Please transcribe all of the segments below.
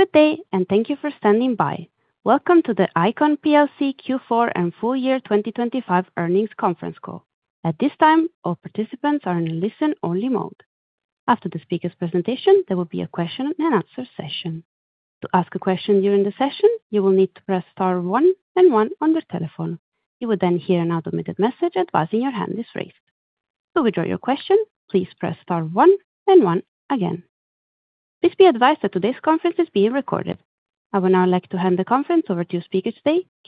Good day and thank you for standing by. Welcome to the ICON plc Q4 and full-year 2025 earnings conference call. At this time all participants are in listen-only mode. After the speaker's presentation, there would be a question-and-answer session. To ask a question during the session, you will need to press star, one, and one on the telephone. You will then hear a voice message advising your hand is raised. To withdraw your question, just press star one and one again. Please be advised that today's conference is being recorded. I would now like to hand the conference over to today's speaker,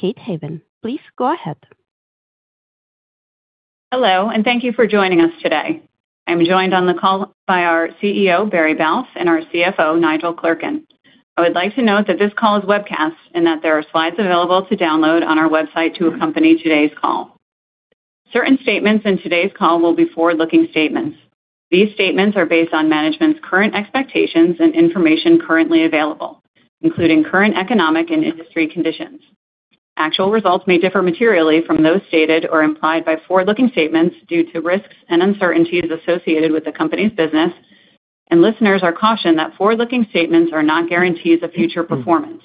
Kate Haven. Please go ahead. Hello, and thank you for joining us today. I'm joined on the call by our CEO, Barry Balfe, and our CFO, Nigel Clerkin. I would like to note that this call is webcast and that there are slides available to download on our website to accompany today's call. Certain statements in today's call will be forward-looking statements. These statements are based on management's current expectations and information currently available, including current economic and industry conditions. Actual results may differ materially from those stated or implied by forward-looking statements due to risks and uncertainties associated with the company's business, and listeners are cautioned that forward-looking statements are not guarantees of future performance.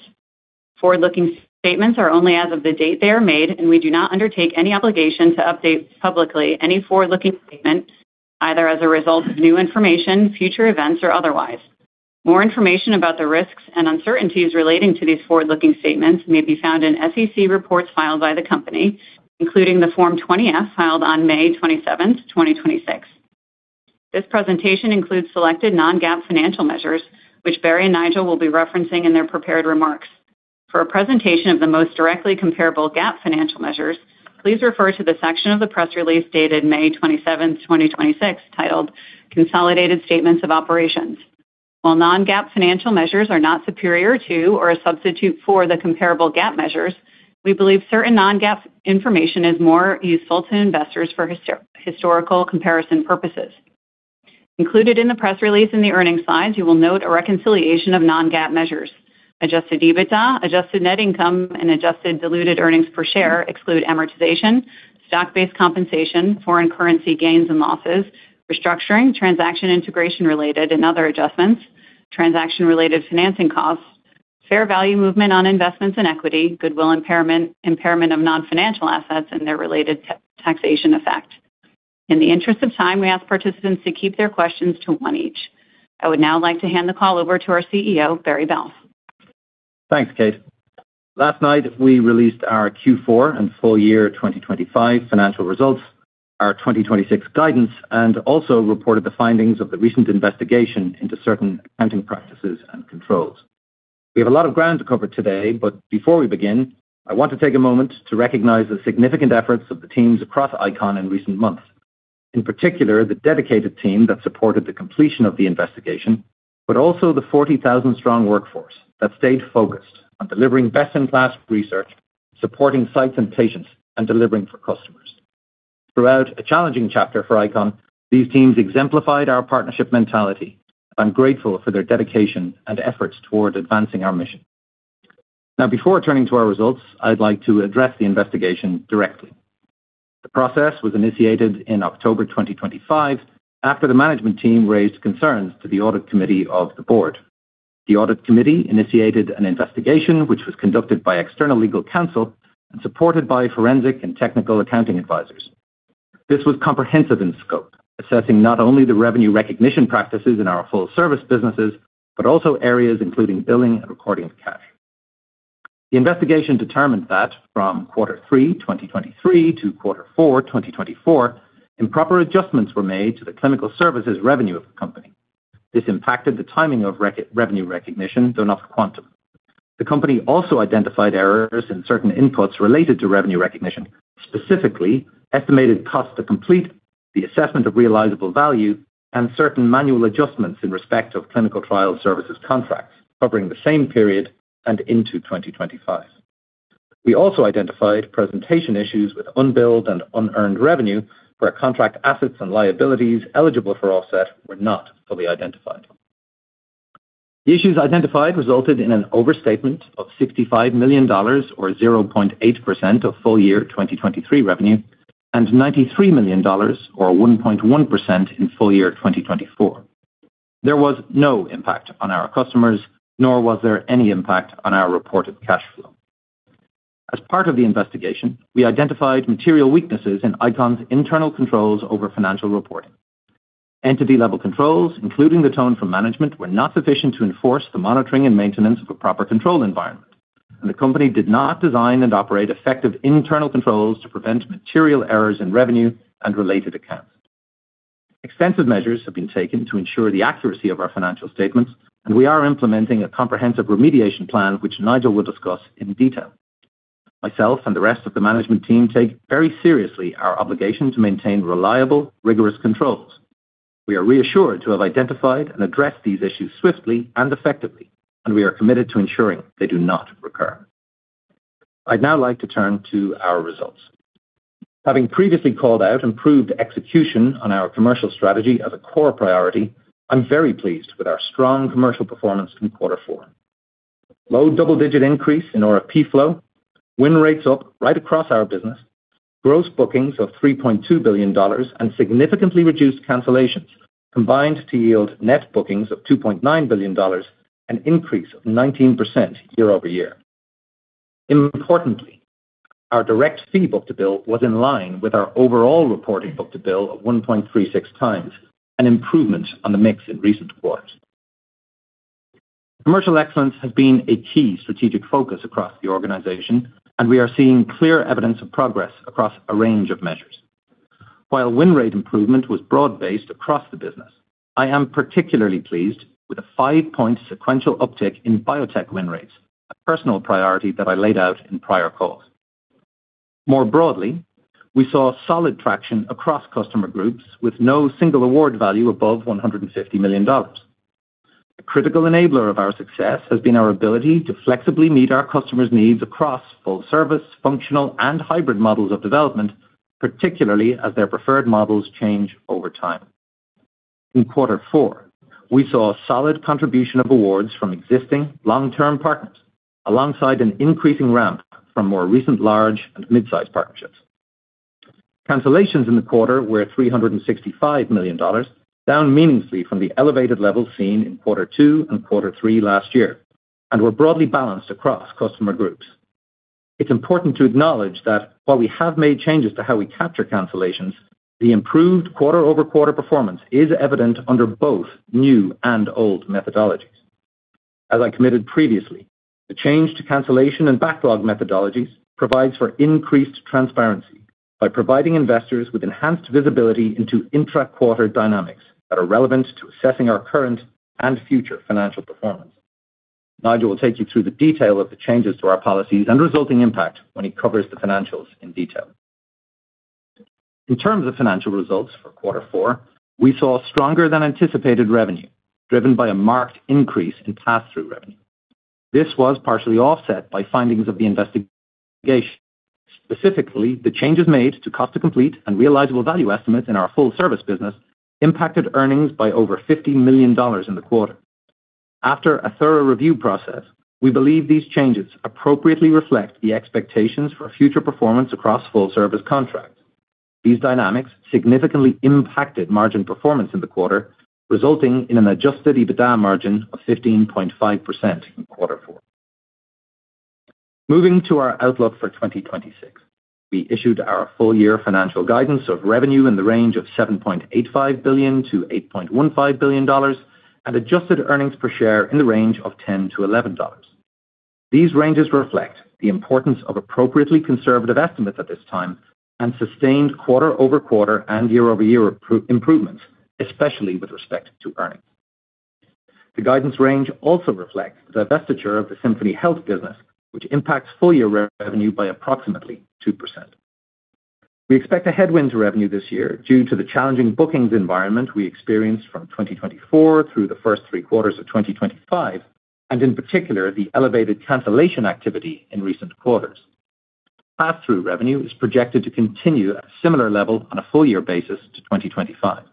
Forward-looking statements are only as of the date they are made, and we do not undertake any obligation to update publicly any forward-looking statement, either as a result of new information, future events, or otherwise. More information about the risks and uncertainties relating to these forward-looking statements may be found in SEC reports filed by the company, including the Form 20-F filed on May 27th, 2026. This presentation includes selected non-GAAP financial measures, which Barry and Nigel will be referencing in their prepared remarks. For a presentation of the most directly comparable GAAP financial measures, please refer to the section of the press release dated May 27th, 2026, titled "Consolidated Statements of Operations." While non-GAAP financial measures are not superior to or a substitute for the comparable GAAP measures, we believe certain non-GAAP information is more useful to investors for historical comparison purposes. Included in the press release in the earnings slides, you will note a reconciliation of non-GAAP measures. Adjusted EBITDA, adjusted net income, and adjusted diluted earnings per share exclude amortization, stock-based compensation, foreign currency gains and losses, restructuring, transaction integration-related and other adjustments, transaction-related financing costs, fair value movement on investments in equity, goodwill impairment of non-financial assets, and their related taxation effect. In the interest of time, we ask participants to keep their questions to one each. I would now like to hand the call over to our CEO, Barry Balfe. Thanks, Kate. Last night we released our Q4 and full-year 2025 financial results and our 2026 guidance and also reported the findings of the recent investigation into certain accounting practices and controls. We have a lot of ground to cover today, but before we begin, I want to take a moment to recognize the significant efforts of the teams across ICON in recent months, in particular, the dedicated team that supported the completion of the investigation, but also the 40,000-strong workforce that stayed focused on delivering best-in-class research, supporting sites and patients, and delivering for customers. Throughout a challenging chapter for ICON, these teams exemplified our partnership mentality. I'm grateful for their dedication and efforts toward advancing our mission. Now, before turning to our results, I'd like to address the investigation directly. The process was initiated in October 2025 after the management team raised concerns to the audit committee of the board. The audit committee initiated an investigation that was conducted by external legal counsel and supported by forensic and technical accounting advisors. This was comprehensive in scope, assessing not only the revenue recognition practices in our full-service businesses but also areas including billing and recording of cash. The investigation determined that from quarter three 2023-quarter four 2024, improper adjustments were made to the clinical services revenue of the company. This impacted the timing of revenue recognition, though not the quantum. The company also identified errors in certain inputs related to revenue recognition, specifically estimated cost to complete the assessment of realizable value and certain manual adjustments in respect of clinical trial services contracts covering the same period and into 2025. We also identified presentation issues with unbilled and unearned revenue where contract assets and liabilities eligible for offset were not fully identified. The issues identified resulted in an overstatement of $65 million, or 0.8% of full-year 2023 revenue, and $93 million, or 1.1%, in full-year 2024. There was no impact on our customers, nor was there any impact on our reported cash flow. As part of the investigation, we identified material weaknesses in ICON's internal controls over financial reporting. Entity-level controls, including the tone from management, were not sufficient to enforce the monitoring and maintenance of a proper control environment, and the company did not design and operate effective internal controls to prevent material errors in revenue and related accounts. Extensive measures have been taken to ensure the accuracy of our financial statements, and we are implementing a comprehensive remediation plan, which Nigel will discuss in detail. Myself and the rest of the management team take very seriously our obligation to maintain reliable, rigorous controls. We are reassured to have identified and addressed these issues swiftly and effectively, and we are committed to ensuring they do not recur. I'd now like to turn to our results. Having previously called out improved execution on our commercial strategy as a core priority, I'm very pleased with our strong commercial performance in quarter four. Low double-digit increase in order proposal win rates right across our business. Gross bookings of $3.2 billion and significantly reduced cancellations combined to yield net bookings of $2.9 billion, an increase of 19% year-over-year. Importantly, our direct fee book to bill was in line with our overall reported book to bill of 1.36x, an improvement on the mix in recent quarters. Commercial excellence has been a key strategic focus across the organization, and we are seeing clear evidence of progress across a range of measures. While win rate improvement was broad-based across the business, I am particularly pleased with a 5-point sequential uptick in biotech win rates, a personal priority that I laid out in prior calls. We saw solid traction across customer groups with no single award value above $150 million. A critical enabler of our success has been our ability to flexibly meet our customers' needs across full service, functional, and hybrid models of development, particularly as their preferred models change over time. In quarter four, we saw a solid contribution of awards from existing long-term partners, alongside an increasing ramp from more recent large and mid-size partnerships. Cancellations in the quarter were at $365 million, down meaningfully from the elevated levels seen in quarter two and quarter three last year, and were broadly balanced across customer groups. It's important to acknowledge that while we have made changes to how we capture cancellations, the improved quarter-over-quarter performance is evident under both new and old methodologies. As I committed previously, the change to cancellation and backlog methodologies provides for increased transparency by providing investors with enhanced visibility into intra-quarter dynamics that are relevant to assessing our current and future financial performance. Nigel will take you through the details of the changes to our policies and resulting impact when he covers the financials in detail. In terms of financial results for quarter four, we saw stronger than anticipated revenue, driven by a marked increase in pass-through revenue. This was partially offset by findings of the investigation. Specifically, the changes made to cost-to-complete and realizable value estimates in our full-service business impacted earnings by over $50 million in the quarter. After a thorough review process, we believe these changes appropriately reflect the expectations for future performance across full-service contracts. These dynamics significantly impacted margin performance in the quarter, resulting in an adjusted EBITDA margin of 15.5% in quarter four. Moving to our outlook for 2026, we issued our full-year financial guidance of revenue in the range of $7.85 billion-$8.15 billion and adjusted earnings per share in the range of $10-$11. These ranges reflect the importance of appropriately conservative estimates at this time and sustained quarter-over-quarter and year-over-year improvements, especially with respect to earnings. The guidance range also reflects the divestiture of the Symphony Health business, which impacts full-year revenue by approximately 2%. We expect a headwind to revenue this year due to the challenging booking environment we experienced from 2024 through the first three quarters of 2025 and, in particular, the elevated cancellation activity in recent quarters. Pass-through revenue is projected to continue at a similar level on a full-year basis in 2025.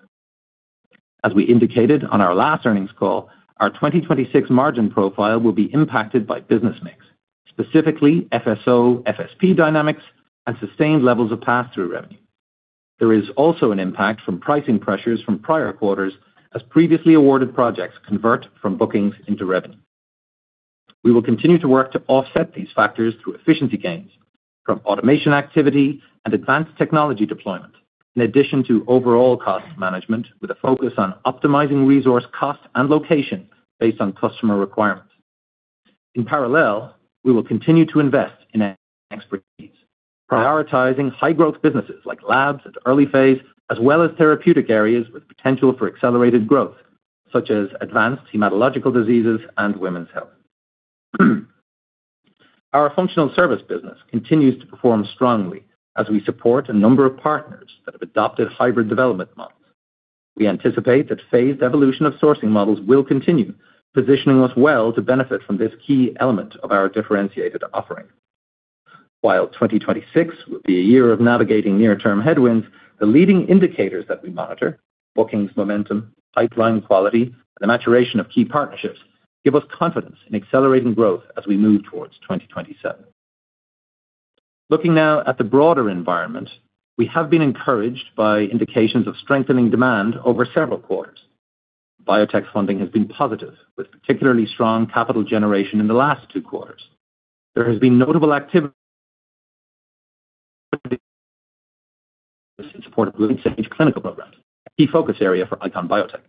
As we indicated on our last earnings call, our 2026 margin profile will be impacted by business mix, specifically FSO, FSP dynamics, and sustained levels of pass-through revenue. There is also an impact from pricing pressures from prior quarters as previously awarded projects convert from bookings into revenue. We will continue to work to offset these factors through efficiency gains from automation activity and advanced technology deployment, in addition to overall cost management with a focus on optimizing resource cost and location based on customer requirements. In parallel, we will continue to invest in expertise, prioritizing high-growth businesses like labs and early phases, as well as therapeutic areas with potential for accelerated growth, such as advanced hematological diseases and women's health. Our functional service business continues to perform strongly as we support a number of partners that have adopted hybrid development models. We anticipate that phased evolution of sourcing models will continue, positioning us well to benefit from this key element of our differentiated offering. While 2026 will be a year of navigating near-term headwinds, the leading indicators that we monitor, bookings momentum, pipeline quality, and the maturation of key partnerships give us confidence in accelerating growth as we move towards 2027. Looking now at the broader environment, we have been encouraged by indications of strengthening demand over several quarters. Biotech funding has been positive, with particularly strong capital generation in the last two quarters. There has been notable activity in support of late-stage clinical programs, a key focus area for ICON biotech.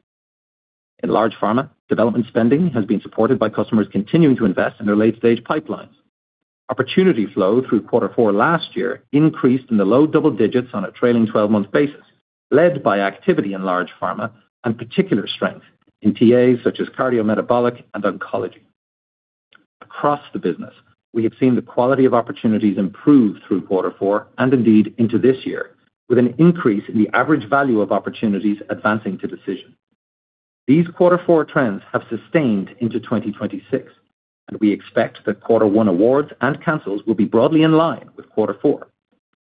In large pharma, development spending has been supported by customers continuing to invest in their late-stage pipelines. Opportunity flow through quarter four last year increased in the low double digits on a trailing 12-month basis, led by activity in large pharma and particular strength in TAs such as cardiometabolic and oncology. Across the business, we have seen the quality of opportunities improve through quarter four and indeed into this year, with an increase in the average value of opportunities advancing to decision. These quarter four trends have sustained into 2026. We expect that quarter one awards and cancels will be broadly in line with quarter four.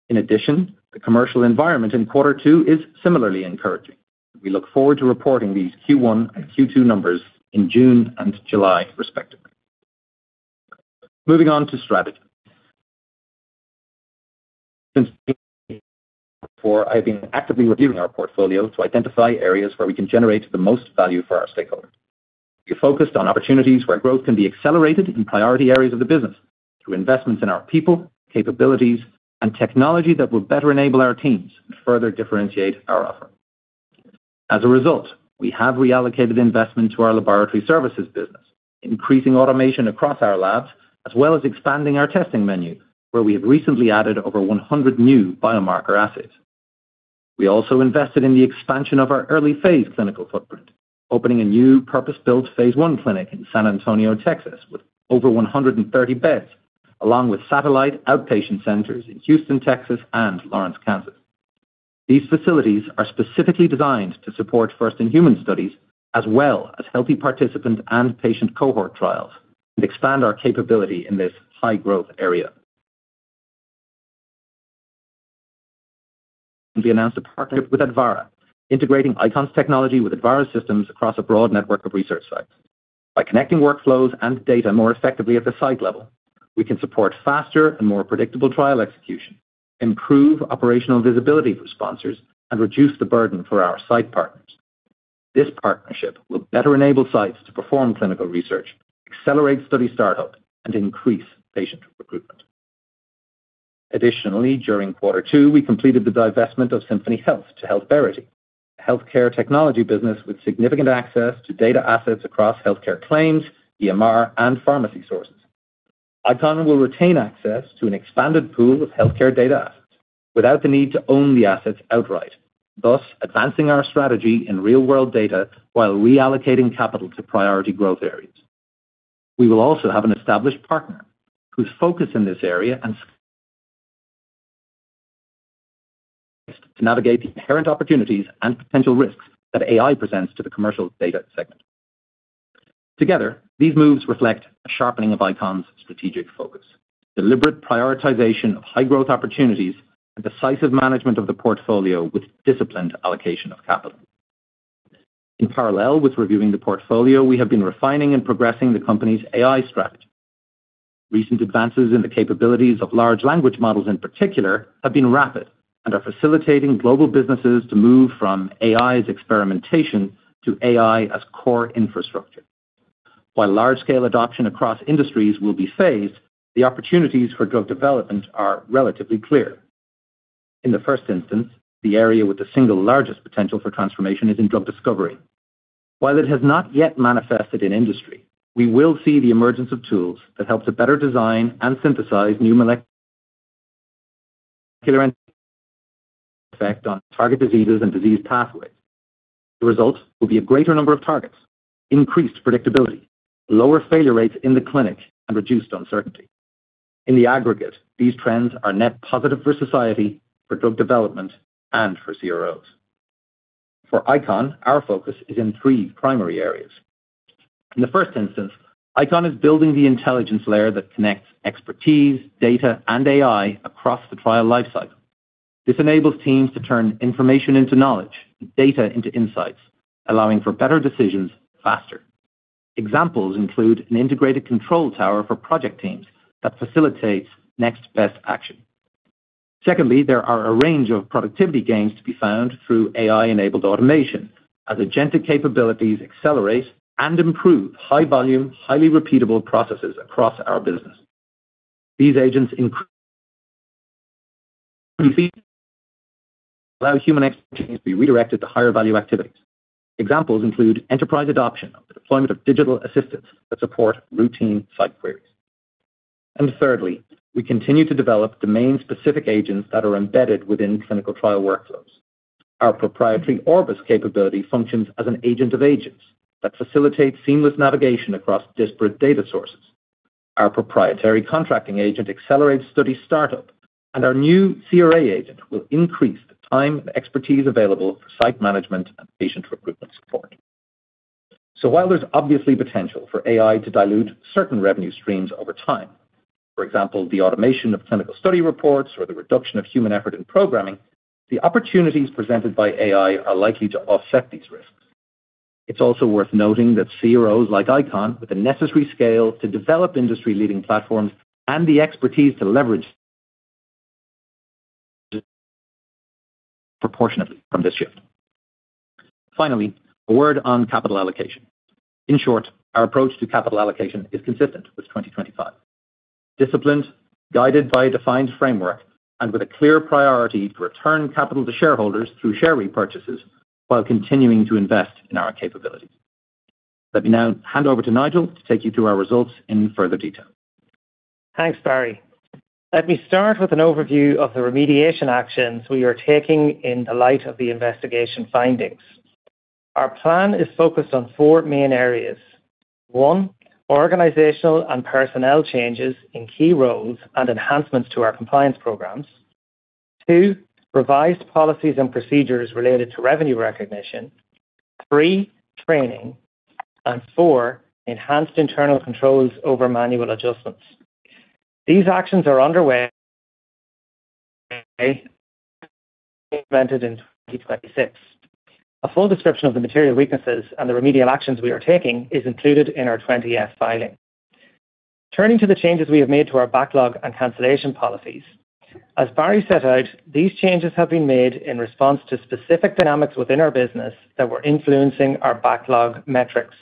In addition, the commercial environment in quarter two is similarly encouraging. We look forward to reporting these Q1 and Q2 numbers in June and July, respectively. Moving on to strategy. Since I've been actively reviewing our portfolio to identify areas where we can generate the most value for our stakeholders. We focused on opportunities where growth can be accelerated in priority areas of the business through investments in our people, capabilities, and technology that will better enable our teams to further differentiate our offering. As a result, we have reallocated investment to our laboratory services business, increasing automation across our labs, as well as expanding our testing menu, where we have recently added over 100 new biomarker assays. We also invested in the expansion of our early-phase clinical footprint, opening a new purpose-built phase I clinic in San Antonio, Texas, with over 130 beds, along with satellite outpatient centers in Houston, Texas, and Lawrence, Kansas. These facilities are specifically designed to support first-in-human studies, as well as healthy participant and patient cohort trials, and expand our capability in this high-growth area. We announced a partnership with Advarra, integrating ICON's technology with Advarra systems across a broad network of research sites. By connecting workflows and data more effectively at the site level, we can support faster and more predictable trial execution, improve operational visibility for sponsors, and reduce the burden for our site partners. This partnership will better enable sites to perform clinical research, accelerate study startup, and increase patient recruitment. Additionally, during quarter two, we completed the divestment of Symphony Health to HealthVerity, a healthcare technology business with significant access to data assets across healthcare claims, EMR, and pharmacy sources. ICON will retain access to an expanded pool of healthcare data assets without the need to own the assets outright, thus advancing our strategy in real-world data while reallocating capital to priority growth areas. We will also have an established partner whose focus is in this area to navigate the inherent opportunities and potential risks that AI presents to the commercial data segment. Together, these moves reflect a sharpening of ICON's strategic focus, deliberate prioritization of high-growth opportunities, and decisive management of the portfolio with disciplined allocation of capital. In parallel with reviewing the portfolio, we have been refining and progressing the company's AI strategy. Recent advances in the capabilities of large language models, in particular, have been rapid and are facilitating global businesses to move from AI experimentation to AI as core infrastructure. While large-scale adoption across industries will be phased, the opportunities for drug development are relatively clear. In the first instance, the area with the single largest potential for transformation is in drug discovery. While it has not yet manifested in industry, we will see the emergence of tools that help to better design and synthesize new molecules on target diseases and disease pathways. The result will be a greater number of targets, increased predictability, lower failure rates in the clinic, and reduced uncertainty. In the aggregate, these trends are net positive for society, for drug development, and for CROs. For ICON, our focus is in three primary areas. In the first instance, ICON is building the intelligence layer that connects expertise, data, and AI across the trial lifecycle. This enables teams to turn information into knowledge and data into insights, allowing for better decisions faster. Examples include an integrated control tower for project teams that facilitates the next best action. Secondly, there are a range of productivity gains to be found through AI-enabled automation as agentic capabilities accelerate and improve high-volume, highly repeatable processes across our business. These agents allow human expertise to be redirected to higher-value activities. Examples include enterprise adoption of the deployment of digital assistants that support routine site queries. Thirdly, we continue to develop domain-specific agents that are embedded within clinical trial workflows. Our proprietary Orbis capability functions as an agent of agents that facilitates seamless navigation across disparate data sources. Our proprietary contracting agent accelerates study startup, and our new CRA agent will increase the time and expertise available for site management and patient recruitment support. While there's obviously potential for AI to dilute certain revenue streams over time, for example, the automation of clinical study reports or the reduction of human effort in programming, the opportunities presented by AI are likely to offset these risks. It's also worth noting that CROs like ICON have the necessary scale to develop industry-leading platforms and the expertise to leverage proportionally from this shift. Finally, a word on capital allocation. In short, our approach to capital allocation is consistent with 2025. Disciplined, guided by a defined framework, and with a clear priority to return capital to shareholders through share repurchases while continuing to invest in our capabilities. Let me now hand over to Nigel to take you through our results in further detail. Thanks, Barry. Let me start with an overview of the remediation actions we are taking in the light of the investigation findings. Our plan is focused on four main areas. One, organizational and personnel changes in key roles and enhancements to our compliance programs. Two, revised policies and procedures related to revenue recognition. Three, training. Four, enhanced internal controls over manual adjustments. These actions are underway and will be implemented in 2026. A full description of the material weaknesses and the remedial actions we are taking is included in our 20-F filing. Turning to the changes we have made to our backlog and cancellation policies. As Barry set out, these changes have been made in response to specific dynamics within our business that were influencing our backlog metrics.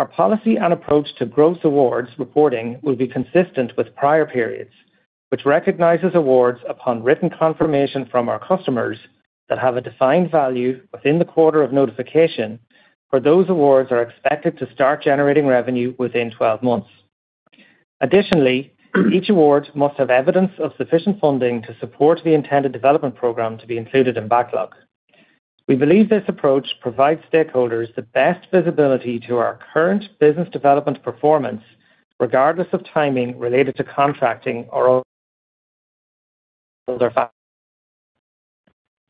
Our policy and approach to gross awards reporting will be consistent with prior periods, which recognize awards upon written confirmation from our customers that have a defined value within the quarter of notification for those awards that are expected to start generating revenue within 12 months. Additionally, each award must have evidence of sufficient funding to support the intended development program to be included in the backlog. We believe this approach provides stakeholders the best visibility to our current business development performance, regardless of timing related to contracting or other factors.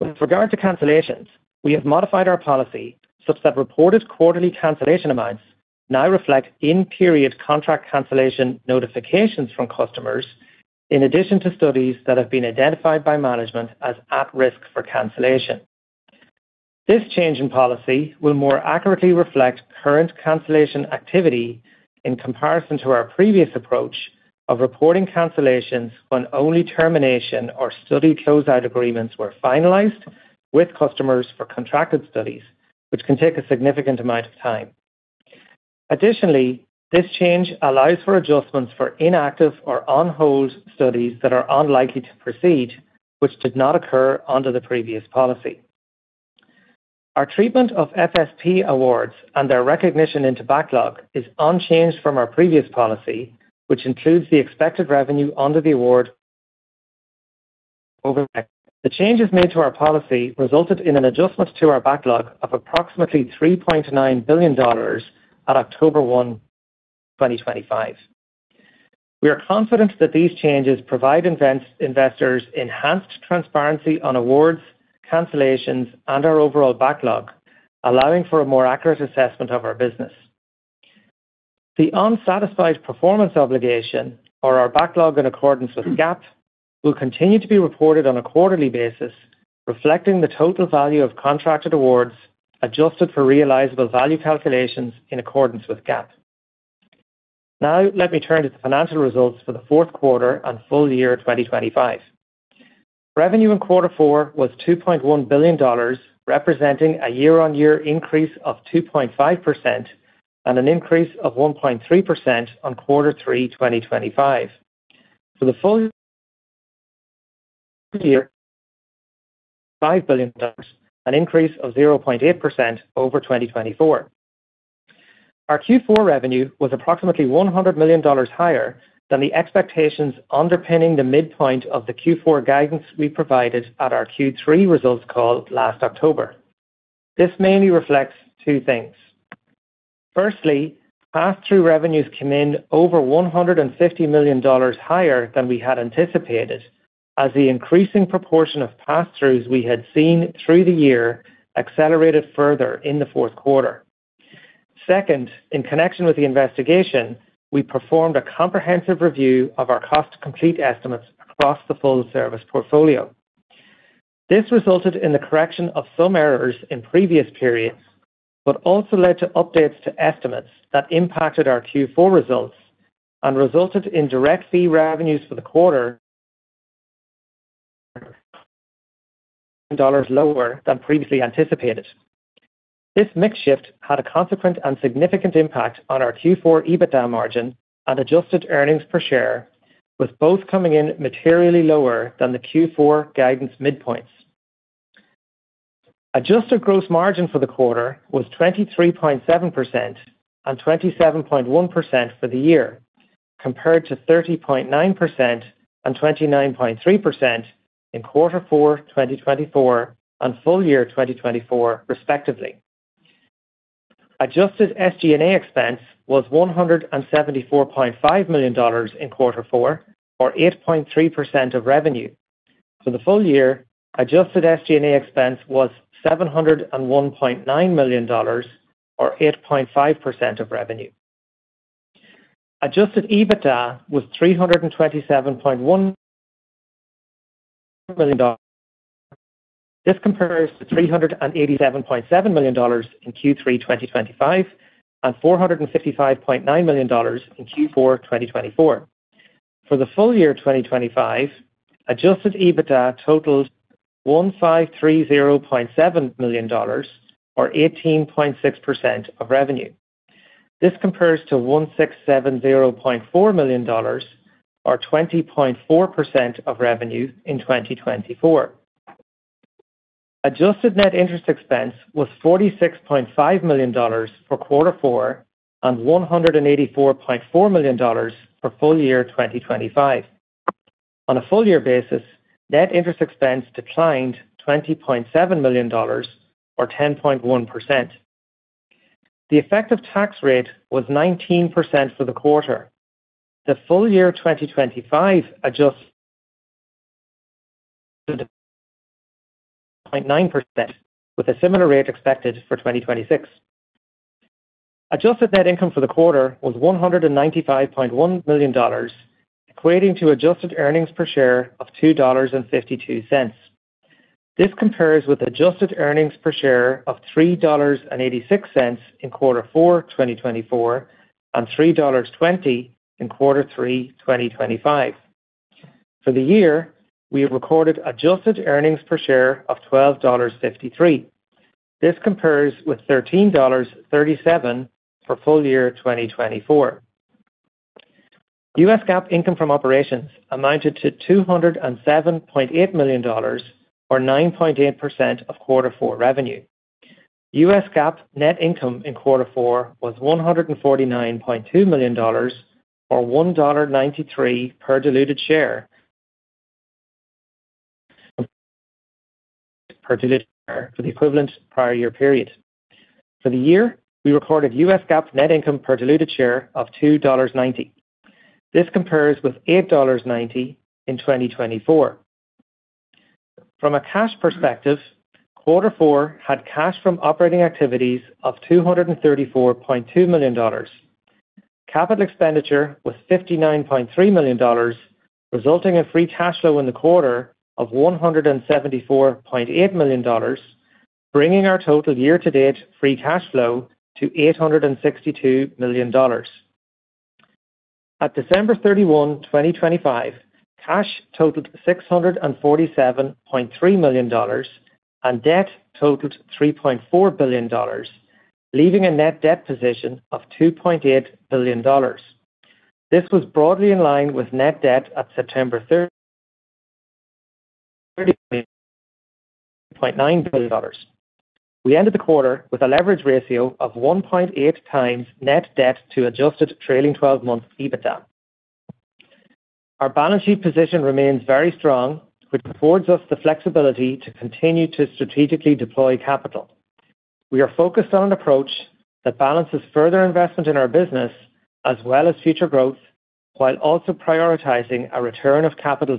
With regard to cancellations, we have modified our policy such that reported quarterly cancellation amounts now reflect in-period contract cancellation notifications from customers, in addition to studies that have been identified by management as at risk for cancellation. This change in policy will more accurately reflect current cancellation activity in comparison to our previous approach of reporting cancellations when only termination or study closeout agreements were finalized with customers for contracted studies, which can take a significant amount of time. Additionally, this change allows for adjustments for inactive or on-hold studies that are unlikely to proceed, which did not occur under the previous policy. Our treatment of FSP awards and their recognition in the backlog is unchanged from our previous policy, which includes the expected revenue under the awards. The changes made to our policy resulted in an adjustment to our backlog of approximately $3.9 billion on October 1, 2025. We are confident that these changes provide investors enhanced transparency on awards, cancellations, and our overall backlog, allowing for a more accurate assessment of our business. The unsatisfied performance obligation, or our backlog in accordance with GAAP, will continue to be reported on a quarterly basis, reflecting the total value of contracted awards adjusted for realizable value calculations in accordance with GAAP. Let me turn to the financial results for the fourth quarter and full-year 2025. Revenue in quarter four was $2.1 billion, representing a year-on-year increase of 2.5% and an increase of 1.3% from quarter three 2025. For the full-year 2025, $5 billion, an increase of 0.8% over 2024. Our Q4 revenue was approximately $100 million higher than the expectations underpinning the midpoint of the Q4 guidance we provided at our Q3 results call last October. This mainly reflects two things. Firstly, pass-through revenues came in over $150 million higher than we had anticipated, as the increasing proportion of pass-throughs we had seen through the year accelerated further in the fourth quarter. Second, in connection with the investigation, we performed a comprehensive review of our cost-complete estimates across the full service portfolio. This resulted in the correction of some errors in previous periods but also led to updates to estimates that impacted our Q4 results and resulted in direct fee revenues for the quarter $17 million lower than previously anticipated. This mix shift had a consequent and significant impact on our Q4 EBITDA margin and adjusted earnings per share, with both coming in materially lower than the Q4 guidance midpoints. Adjusted gross margin for the quarter was 23.7% and 27.1% for the year, compared to 30.9% and 29.3% in quarter four 2024 and full-year 2024, respectively. Adjusted SG&A expense was $174.5 million in quarter four, or 8.3% of revenue. For the full-year, adjusted SG&A expense was $701.9 million, or 8.5% of revenue. Adjusted EBITDA was $327.1 million. This compares to $387.7 million in Q3 2025 and $455.9 million in Q4 2024. For the full-year 2025, adjusted EBITDA totals $1,530.7 million or 18.6% of revenue. This compares to $1,670.4 million or 20.4% of revenue in 2024. Adjusted net interest expense was $46.5 million for quarter four and $184.4 million for full-year 2025. On a full-year basis, net interest expense declined $20.7 million or 10.1%. The effective tax rate was 19% for the quarter. The full-year 2025 adjust-0.9%, with a similar rate expected for 2026. Adjusted net income for the quarter was $195.1 million, equating to adjusted earnings per share of $2.52. This compares with adjusted earnings per share of $3.86 in quarter four 2024 and $3.20 in quarter three 2025. For the year, we have recorded adjusted earnings per share of $12.53. This compares with $13.37 for full-year 2024. U.S. GAAP income from operations amounted to $207.8 million, or 9.8% of quarter four revenue. U.S. GAAP net income in quarter four was $149.2 million, or $1.93 per diluted share. Per diluted share for the equivalent prior year period. For the year, we recorded U.S. GAAP net income per diluted share of $2.90. This compares with $8.90 in 2024. From a cash perspective, quarter four had cash from operating activities of $234.2 million. Capital expenditure was $59.3 million, resulting in free cash flow in the quarter of $174.8 million, bringing our total year-to-date free cash flow to $862 million. At December 31, 2025, cash totaled $647.3 million and debt totaled $3.4 billion, leaving a net debt position of $2.8 billion. This was broadly in line with net debt at September 30, $2.9 billion. We ended the quarter with a leverage ratio of 1.8x net debt to adjusted trailing 12-month EBITDA. Our balance sheet position remains very strong, which affords us the flexibility to continue to strategically deploy capital. We are focused on an approach that balances further investment in our business as well as future growth, while also prioritizing a return of capital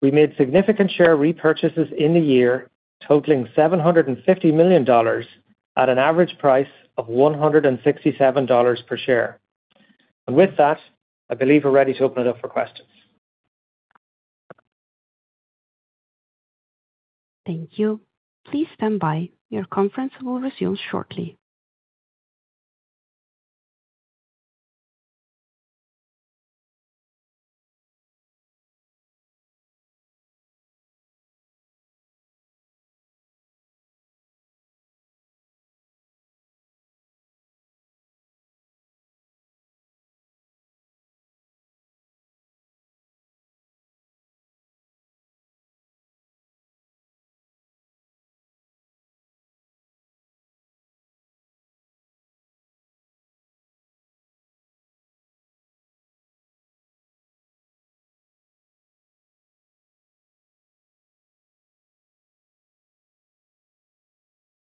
to shareholders. We made significant share repurchases in the year, totaling $750 million at an average price of $167 per share. With that, I believe we're ready to open it up for questions. Thank you. Please stand by. Your conference will resume shortly.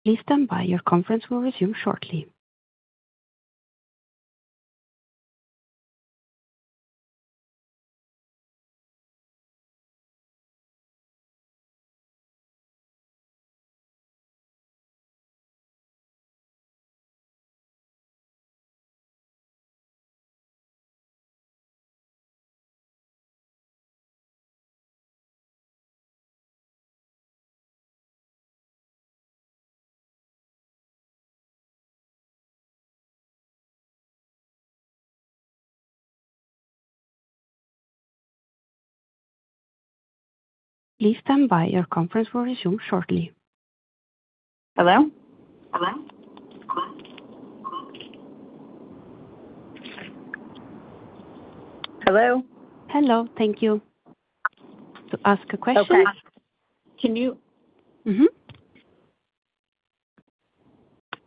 Please stand by. Your conference will resume shortly. Hello. Hello. Thank you. Okay.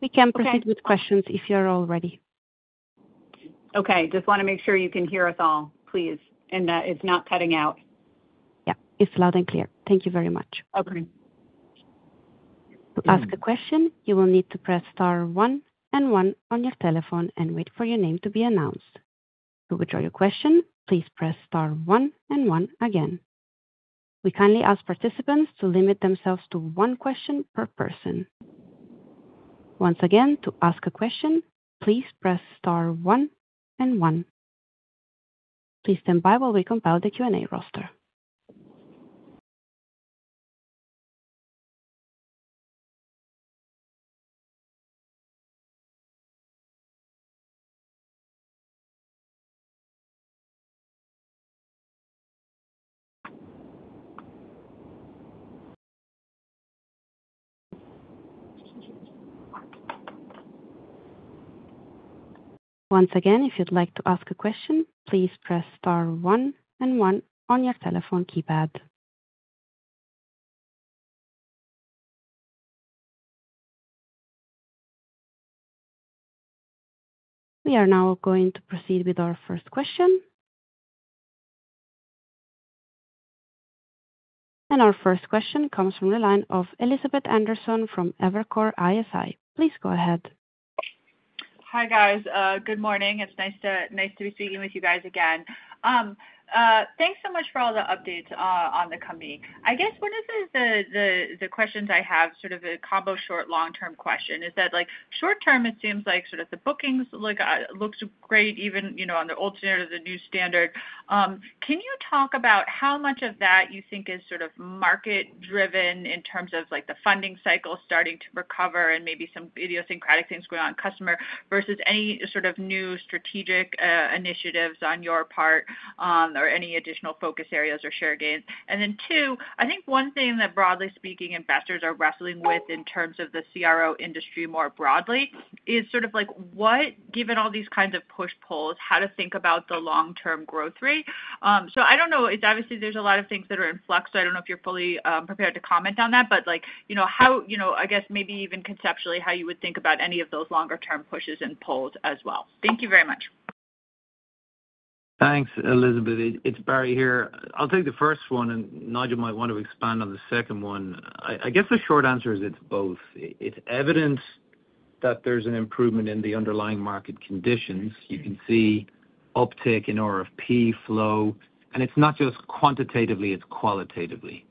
We can proceed with questions if you're all ready. Okay. Just want to make sure you can hear us all, please, and that it's not cutting out. Yeah, it's loud and clear. Thank you very much. Okay. We are now going to proceed with our first question. Our first question comes from the line of Elizabeth Anderson from Evercore ISI. Please go ahead. Hi, guys. Good morning. It's nice to be speaking with you guys again. Thanks so much for all the updates on the company. I guess one of the questions I have, sort of a combo short- and long-term question, is that short-term, it seems like the bookings look great even on the old standard or the new one. Can you talk about how much of that you think is market-driven in terms of the funding cycle starting to recover and maybe some idiosyncratic things going on customer versus any sort of new strategic initiatives on your part or any additional focus areas or share gains? Then two, I think one thing that broadly speaking investors are wrestling with in terms of the CRO industry more broadly is sort of what, given all these kinds of push-pulls, to think about the long-term growth rate. I don't know. Obviously, there are a lot of things that are in flux. I don't know if you're fully prepared to comment on that, but I guess maybe even conceptually, how would you think about any of those longer-term pushes and pulls as well? Thank you very much. Thanks, Elizabeth. It's Barry here. I'll take the first one. Nigel might want to expand on the second one. I guess the short answer is it's both. It's evident that there's an improvement in the underlying market conditions. You can see an uptick in RFP flow. It's not just quantitatively; it's qualitatively.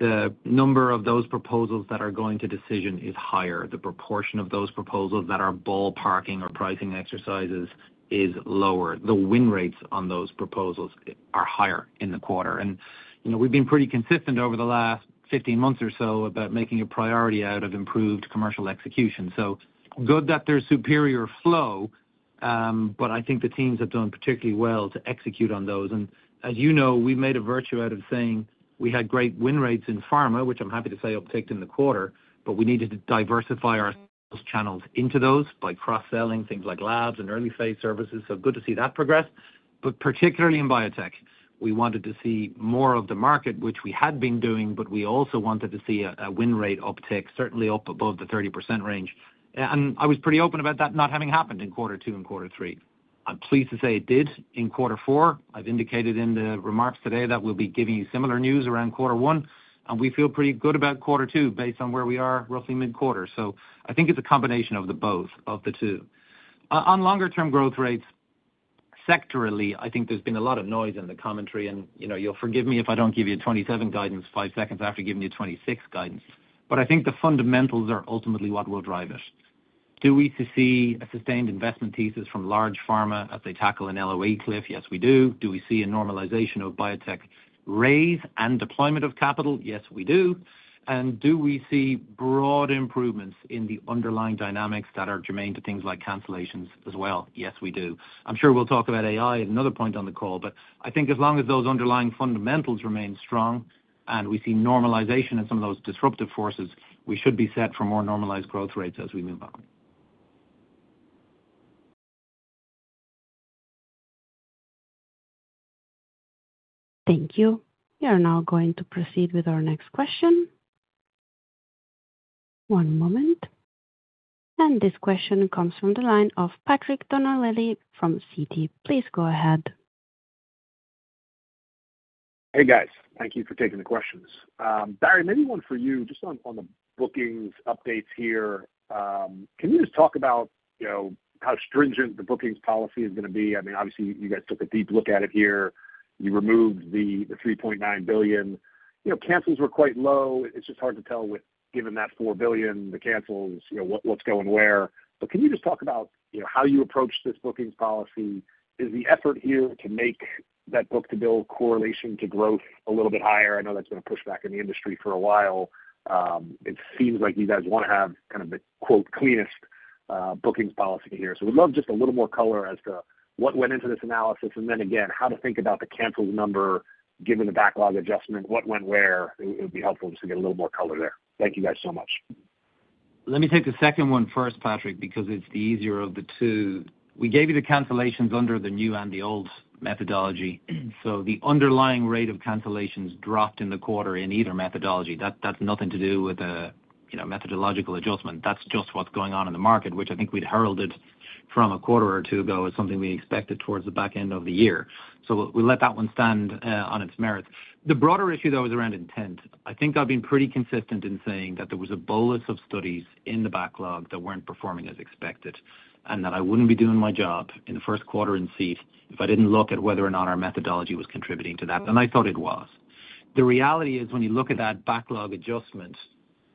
The number of those proposals that are going to decision is higher. The proportion of those proposals that are ballparking or pricing exercises is lower. The win rates on those proposals are higher in the quarter. We've been pretty consistent over the last 15 months or so about making a priority out of improved commercial execution. Good that there's superior flow. I think the teams have done particularly well to execute on those. As you know, we made a virtue out of saying we had great win rates in pharma, which I'm happy to say upticked in the quarter, but we needed to diversify our sales channels into those by cross-selling things like labs and early-phase services. Good to see that progress. Particularly in biotech, we wanted to see more of the market, which we had been doing, but we also wanted to see a win rate uptick, certainly up above the 30% range. I was pretty open about that not having happened in quarter two and quarter three. I'm pleased to say it did in quarter four. I've indicated in the remarks today that we'll be giving you similar news around quarter one, and we feel pretty good about quarter two based on where we are roughly mid-quarter. I think it's a combination of the two. On longer-term growth rates, sectorally, I think there's been a lot of noise in the commentary, and you'll forgive me if I don't give you 2027 guidance five seconds after giving you 2026 guidance. I think the fundamentals are ultimately what will drive it. Do we see a sustained investment thesis from large pharma as they tackle an LOE cliff? Yes, we do. Do we see a normalization of biotech raises and deployment of capital? Yes, we do. Do we see broad improvements in the underlying dynamics that are germane to things like cancellations as well? Yes, we do. I'm sure we'll talk about AI at another point on the call, but I think as long as those underlying fundamentals remain strong and we see normalization in some of those disruptive forces, we should be set for more normalized growth rates as we move on. Thank you. We are now going to proceed with our next question. One moment. This question comes from the line of Patrick Donnelly from Citi. Please go ahead. Hey, guys. Thank you for taking the questions. Barry, maybe one for you just on the bookings updates here. Can you just talk about how stringent the bookings policy is going to be? Obviously, you guys took a deep look at it here. You removed the $3.9 billion. Cancels were quite low. It's just hard to tell, given that $4 billion is canceled, what's going where. Can you just talk about how you approach this booking policy? Is the effort here to make that book-to-bill correlation to growth a little bit higher? I know that's been a pushback in the industry for a while. It seems like you guys want to have kind of the quote "cleanest" booking policy here. We'd love just a little more color as to what went into this analysis, and then again, how to think about the canceled number, given the backlog adjustment. What went where? It would be helpful just to get a little more color there. Thank you guys so much. Let me take the second one first, Patrick, because it's the easier of the two. We gave you the cancellations under the new and old methodologies. The underlying rate of cancellations dropped in the quarter in either methodology. That's nothing to do with a methodological adjustment. That's just what's going on in the market, which I think we'd heralded from a quarter or two ago as something we expected towards the back end of the year. We let that one stand on its merits. The broader issue, though, is around intent. I think I've been pretty consistent in saying that there was a bolus of studies in the backlog that weren't performing as expected and that I wouldn't be doing my job in the first quarter in-seat if I didn't look at whether or not our methodology was contributing to that. I thought it was. The reality is, when you look at that backlog adjustment,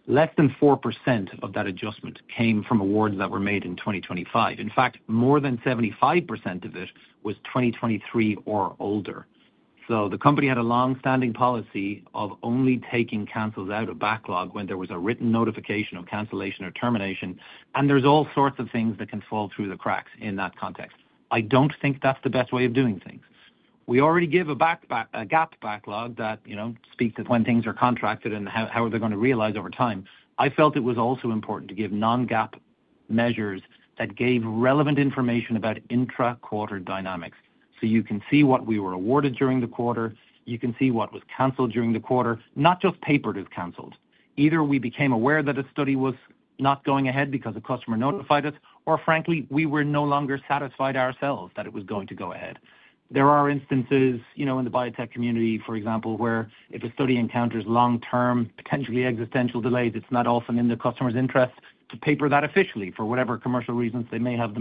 less than 4% of that adjustment came from awards that were made in 2025. In fact, more than 75% of it was 2023 or older. The company had a long-standing policy of only taking cancellations out of the backlog when there was a written notification of cancellation or termination. There are all sorts of things that can fall through the cracks in that context. I don't think that's the best way of doing things. We already have a GAAP backlog that speaks to when things are contracted and how they are going to be realized over time. I felt it was also important to give non-GAAP measures that gave relevant information about intra-quarter dynamics. You can see what we were awarded during the quarter. You can see what was canceled during the quarter, not just papered as canceled. Either we became aware that a study was not going ahead because a customer notified us or, frankly, we were no longer satisfied that it was going to go ahead. There are instances in the biotech community, for example, where if a study encounters long-term, potentially existential delays, it's not often in the customer's interest to paper that officially, for whatever commercial reasons they may have.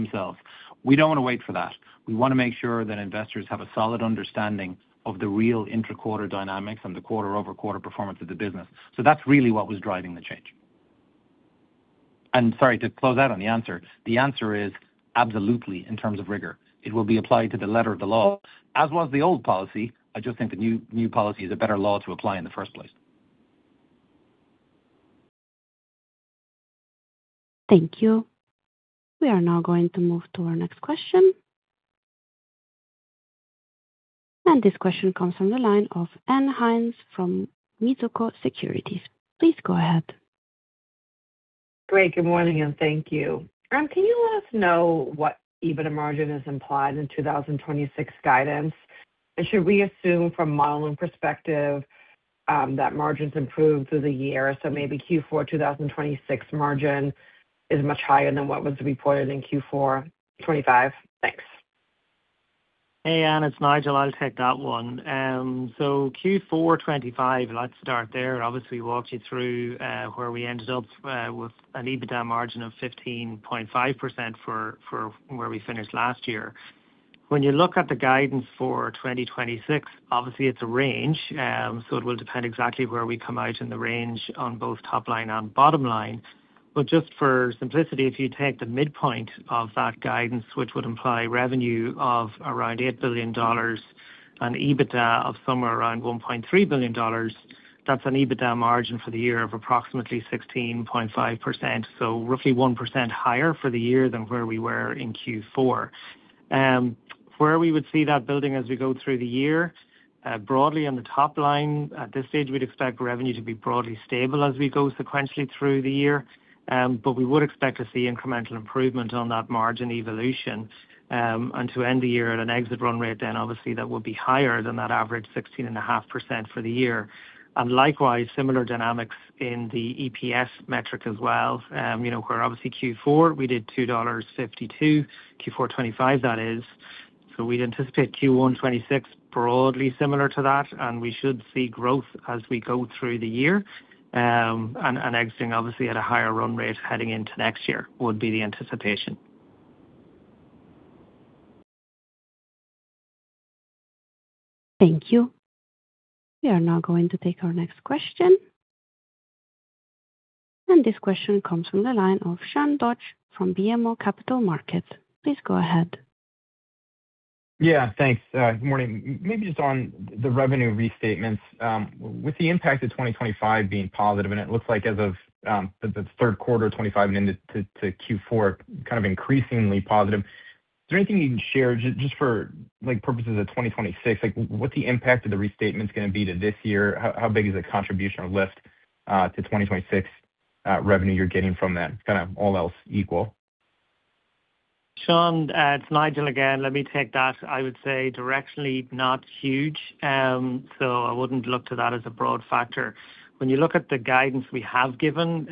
We don't want to wait for that. We want to make sure that investors have a solid understanding of the real intra-quarter dynamics and the quarter-over-quarter performance of the business. That's really what was driving the change. Sorry to close out on the answer. The answer is absolutely, in terms of rigor. It will be applied to the letter of the law, as was the old policy. I just think the new policy is a better law to apply in the first place. Thank you. We are now going to move to our next question. This question comes from the line of Ann Hynes from Mizuho Securities. Please go ahead. Great. Good morning, and thank you. Can you let us know what EBITDA margin is implied in the 2026 guidance? Should we assume from a modeling perspective that margins improve through the year, so maybe the Q4 2026 margin is much higher than what was reported in Q4 2025? Thanks. Hey, Ann, it's Nigel. I'll take that one. Q4 2025, let's start there. Obviously, I walked you through where we ended up with an EBITDA margin of 15.5% for where we finished last year. When you look at the guidance for 2026, obviously it's a range. It will depend exactly on where we come out in the range on both the top line and bottom line. Just for simplicity, if you take the midpoint of that guidance, which would imply revenue of around $8 billion and EBITDA of somewhere around $1.3 billion, that's an EBITDA margin for the year of approximately 16.5%, so roughly 1% higher for the year than where we were in Q4. Where we would see that building as we go through the year, broadly on the top line, at this stage, we'd expect revenue to be broadly stable as we go sequentially through the year. We would expect to see incremental improvement on that margin evolution. To end the year at an exit run rate, obviously that will be higher than that average 16.5% for the year. Likewise, similar dynamics in the EPS metric as well. Obviously in Q4 we did $2.52, Q4 2025, that is. We'd anticipate Q1 2026 to be broadly similar to that, and we should see growth as we go through the year. Exiting obviously at a higher run rate heading into next year would be the anticipation. Thank you. We are now going to take our next question. This question comes from the line of Sean Dodge from BMO Capital Markets. Please go ahead. Yeah. Thanks. Morning. Maybe just on the revenue restatements. With the impact of 2025 being positive, it looks like as of the third quarter of 2025 and into Q4, it's kind of increasingly positive. Is there anything you can share just for purposes of 2026? What's the impact of the restatements going to be this year? How big is the contribution or lift to 2026 revenue you're getting from that, kind of all else equal? Sean, it's Nigel again. Let me take that. I would say directionally not huge. I wouldn't look to that as a broad factor. When you look at the guidance we have given,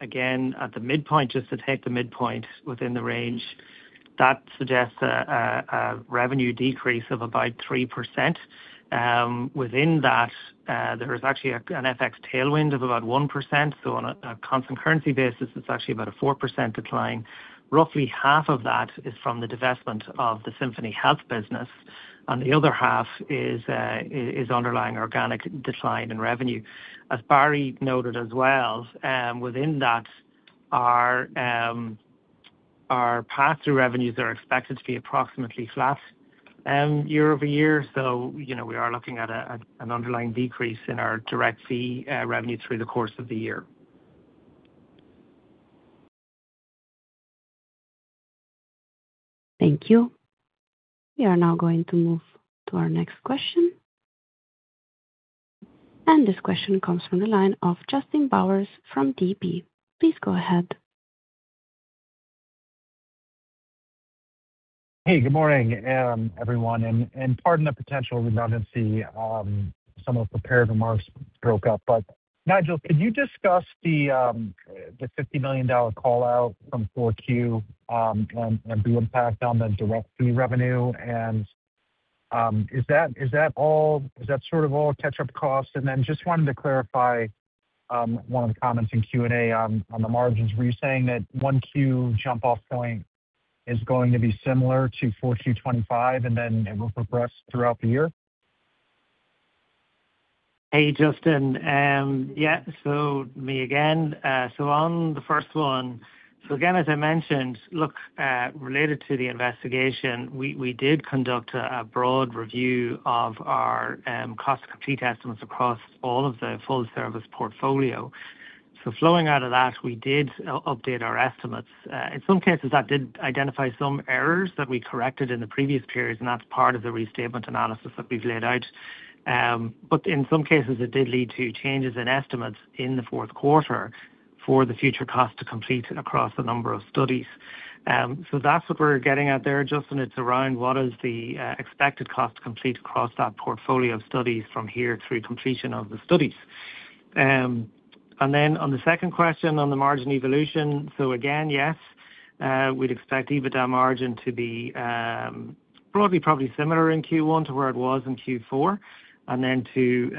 again, at the midpoint, just to take the midpoint within the range, that suggests a revenue decrease of about 3%. Within that, there is actually an FX tailwind of about 1%. On a constant currency basis, it's actually about a 4% decline. Roughly half of that is from the divestment of the Symphony Health business, and the other half is an underlying organic decline in revenue. As Barry noted as well, within that, our pass-through revenues are expected to be approximately flat year-over-year. We are looking at an underlying decrease in our direct fee revenue through the course of the year. Thank you. We are now going to move to our next question. This question comes from the line of Justin Bowers from DB. Please go ahead. Hey, good morning, everyone; pardon the potential redundancy. Some of the prepared remarks broke up. Nigel, could you discuss the $50 million call-out from 4Q and the impact on the direct fee revenue? Is that sort of all the catch-up costs? Then I just wanted to clarify one of the comments in Q&A on the margins. Were you saying that the 1Q jump-off point is going to be similar to 4Q 2025, and then it will progress throughout the year? Hey, Justin. Yeah. Me again. On the first one. Again, as I mentioned, look, related to the investigation, we did conduct a broad review of our cost-complete estimates across all of the full-service portfolios. Flowing out of that, we did update our estimates. In some cases, that did identify some errors that we corrected in the previous periods; that's part of the restatement analysis that we've laid out. In some cases, it did lead to changes in estimates in the fourth quarter for the future cost to complete across a number of studies. That's what we're getting at there, Justin. It's around what is the expected cost to complete across that portfolio of studies from here through completion of the studies? On the second question on the margin evolution. Again, yes, we'd expect the EBITDA margin to be broadly probably similar in Q1 to where it was in Q4 and then to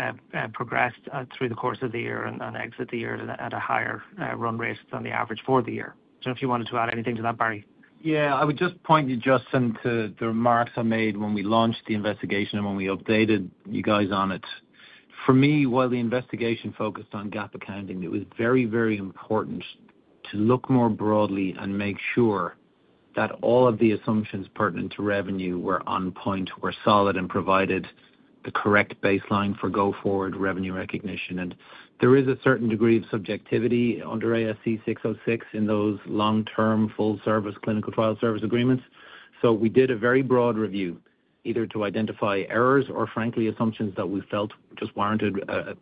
progress through the course of the year and exit the year at a higher run rate than the average for the year. Don't know if you wanted to add anything to that, Barry. I would just point you, Justin, to the remarks I made when we launched the investigation and when we updated you guys on it. For me, while the investigation focused on GAAP accounting, it was very important to look more broadly and make sure that all of the assumptions pertinent to revenue were on point, were solid, and provided the correct baseline for go-forward revenue recognition. There is a certain degree of subjectivity under ASC 606 in those long-term, full-service clinical trial service agreements. We did a very broad review, either to identify errors or, frankly, assumptions that we felt just warranted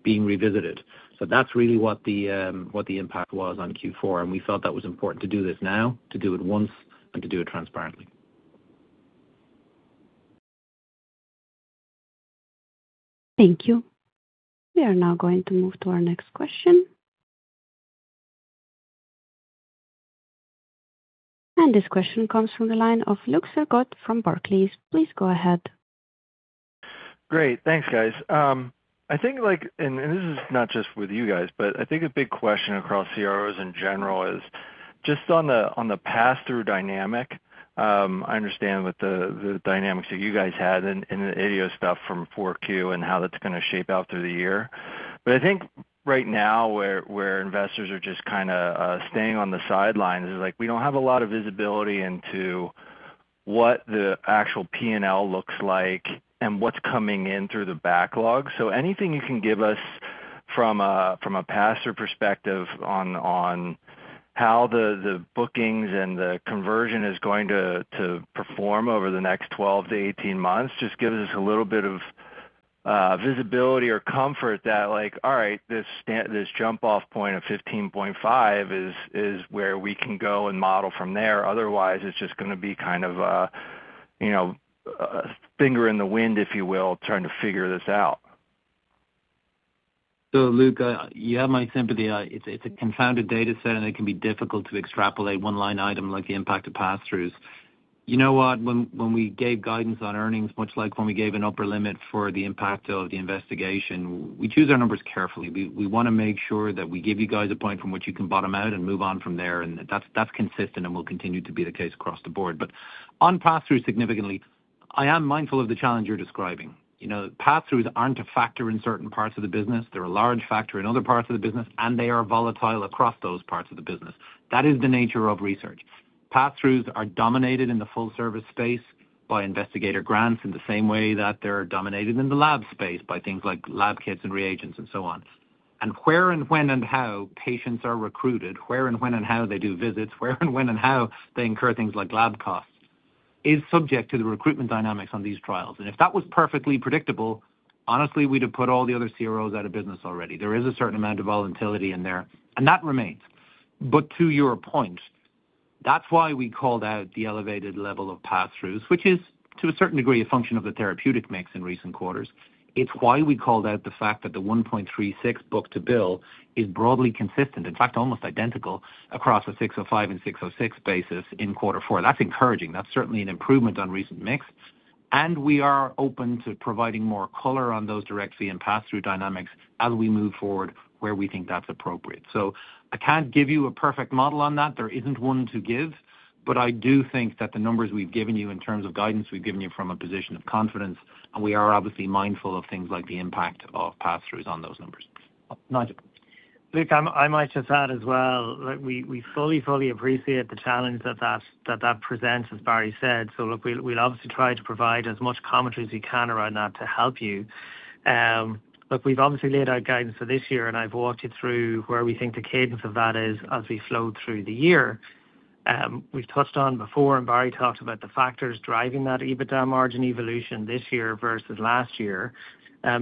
being revisited. That's really what the impact was on Q4, and we felt it was important to do this now, to do it once, and to do it transparently. Thank you. We are now going to move to our next question. This question comes from the line of Luke Sergott from Barclays. Please go ahead. Great. Thanks, guys. I think this is not just with you guys, but I think a big question across CROs in general is just about the pass-through dynamic. I understand what the dynamics that you guys had and the I-O stuff from 4Q are and how that's going to shape up through the year. I think right now, where investors are just staying on the sidelines, we don't have a lot of visibility into what the actual P&L looks like and what's coming through the pipeline. Anything you can give us from a pass-through perspective on how the bookings and the conversion are going to perform over the next 12-18 months just gives us a little bit of visibility or comfort that, all right, this jump-off point of 15.5% is where we can go and model from there. Otherwise, it's just going to be a finger in the wind, if you will, trying to figure this out. Luke, you have my sympathy. It's a confounded data set, and it can be difficult to extrapolate one line item like the impact of pass-throughs. You know what? When we gave guidance on earnings, much like when we gave an upper limit for the impact of the investigation, we chose our numbers carefully. We want to make sure that we give you guys a point from which you can bottom out and move on from there, and that's consistent and will continue to be the case across the board. On pass-through, significantly, I am mindful of the challenge you're describing. Pass-throughs aren't a factor in certain parts of the business. They're a large factor in other parts of the business, and they are volatile across those parts of the business. That is the nature of research. Pass-throughs are dominated in the full-service space by investigator grants in the same way that they're dominated in the lab space by things like lab kits and reagents and so on. Where and when and how patients are recruited and where and when and how they do visits and where and when and how they incur things like lab costs are subject to the recruitment dynamics of these trials. If that was perfectly predictable, honestly, we'd have put all the other CROs out of business already. There is a certain amount of volatility in there, and that remains. To your point, that's why we called out the elevated level of pass-throughs, which is, to a certain degree, a function of the therapeutic mix in recent quarters. It's why we called out the fact that the 1.36x book-to-bill is broadly consistent, in fact almost identical, across a 605 and 606 basis in quarter four. That's encouraging. That's certainly an improvement on the recent mix, and we are open to providing more color on those direct and pass-through dynamics as we move forward where we think that's appropriate. I can't give you a perfect model on that. There isn't one to give. I do think that the numbers we've given you in terms of guidance we've given you from a position of confidence, and we are obviously mindful of things like the impact of pass-throughs on those numbers. Nigel. Luke, I might just add as well, we fully appreciate the challenge that that presents, as Barry said. Look, we'll obviously try to provide as much commentary as we can around that to help you. Look, we've obviously laid out guidance for this year, and I've walked you through where we think the cadence of that is as we flow through the year. We've touched on before, and Barry talked about the factors driving that EBITDA margin evolution this year versus last year.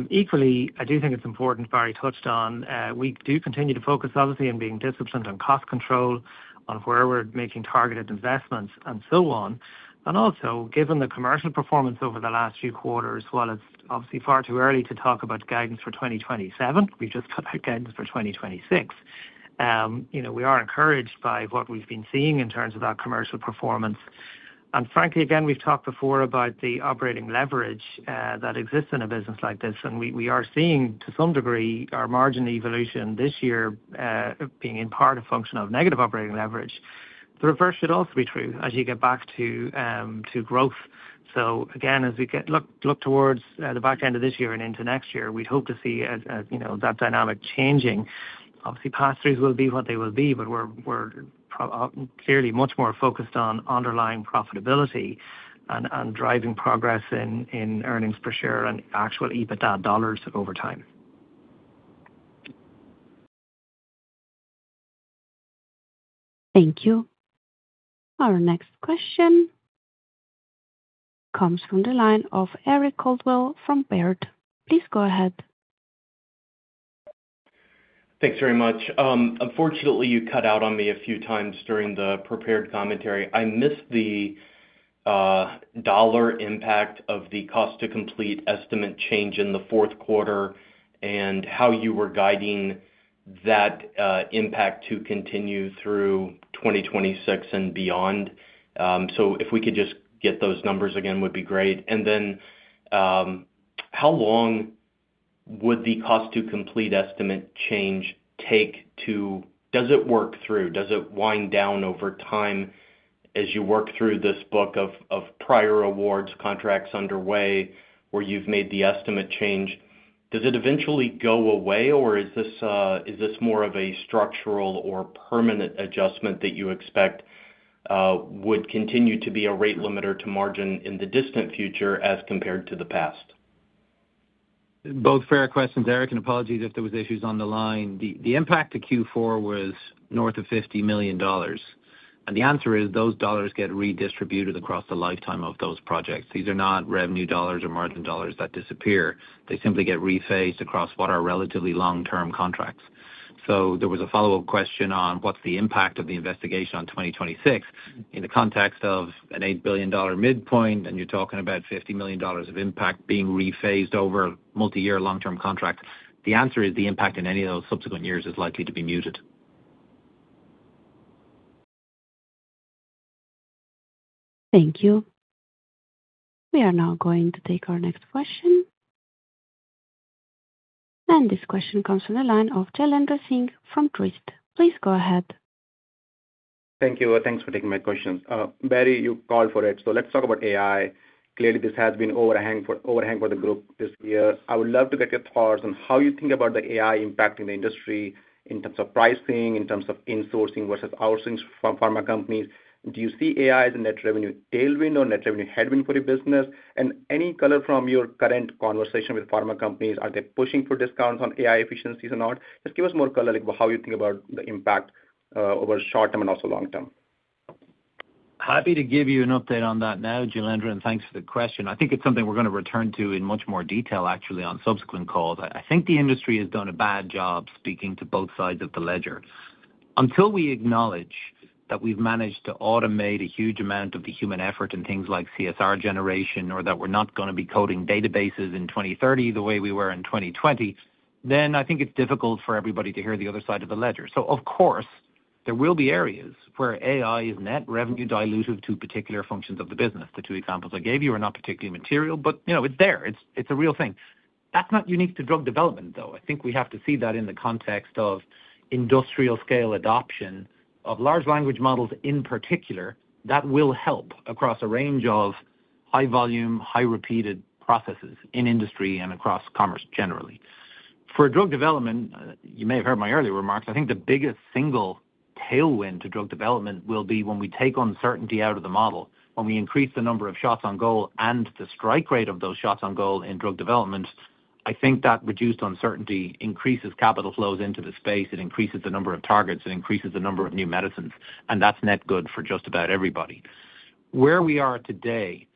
Equally, I do think it's important Barry touched on; we do continue to focus obviously on being disciplined on cost control, on where we're making targeted investments, and so on. Also, given the commercial performance over the last few quarters, while it's obviously far too early to talk about guidance for 2027, we just put out guidance for 2026. We are encouraged by what we've been seeing in terms of our commercial performance. Frankly, again, we've talked before about the operating leverage that exists in a business like this, and we are seeing, to some degree, our margin evolution this year being in part a function of negative operating leverage. The reverse should also be true as you get back to growth. Again, as we look towards the back end of this year and into next year, we hope to see that dynamic changing. Obviously, pass-throughs will be what they will be, but we're clearly much more focused on underlying profitability and driving progress in earnings per share and actual EBITDA dollars over time. Thank you. Our next question comes from the line of Eric Coldwell from Baird. Please go ahead. Thanks very much. Unfortunately, you cut out on me a few times during the prepared commentary. I missed the dollar impact of the cost to complete estimate change in the fourth quarter and how you were guiding that impact to continue through 2026 and beyond. If we could just get those numbers again, it would be great. How long would the cost-to-complete estimate change take? Does it work through? Does it wind down over time as you work through this book of prior awards contracts underway where you've made the estimate change? Does it eventually go away, or is this more of a structural or permanent adjustment that you expect would continue to be a rate limiter to margin in the distant future as compared to the past? Both are fair questions, Eric. Apologies if there were issues on the line. The impact to Q4 was north of $50 million. The answer is those dollars get redistributed across the lifetime of those projects. These are not revenue dollars or margin dollars that disappear. They simply get rephased across what are relatively long-term contracts. There was a follow-up question on what the impact of the investigation on 2026 is in the context of an $8 billion midpoint, and you're talking about $50 million of impact being rephased over multi-year long-term contracts. The answer is the impact in any of those subsequent years is likely to be muted. Thank you. We are now going to take our next question. This question comes from the line of Jailendra Singh from Truist. Please go ahead. Thank you. Thanks for taking my questions. Barry, you called for it, let's talk about AI. Clearly, this has been an overhang for the group this year. I would love to get your thoughts on how you think about the AI impact in the industry in terms of pricing and in terms of insourcing versus outsourcing from pharma companies. Do you see AI as a net revenue tailwind or net revenue headwind for your business? Any color from your current conversation with pharma companies: are they pushing for discounts on AI efficiencies or not? Just give us more color, like how you think about the impact over the short term and also the long term. Happy to give you an update on that now, Jailendra Singh, and thanks for the question. I think it's something we're going to return to in much more detail actually on subsequent calls. I think the industry has done a bad job speaking to both sides of the ledger. Until we acknowledge that we've managed to automate a huge amount of the human effort in things like CSR generation, or that we're not going to be coding databases in 2030 the way we were in 2020, then I think it's difficult for everybody to hear the other side of the ledger. Of course, there will be areas where AI is net revenue dilutive to particular functions of the business. The two examples I gave you are not particularly material, but they are there. It's a real thing. That's not unique to drug development, though. I think we have to see that in the context of industrial-scale adoption of large language models in particular, which will help across a range of high-volume, highly repeated processes in industry and across commerce generally. For drug development, you may have heard my earlier remarks; I think the biggest single tailwind to drug development will be when we take uncertainty out of the model, when we increase the number of shots on goal and the strike rate of those shots on goal in drug development. That's not good for just about everybody. Where we are today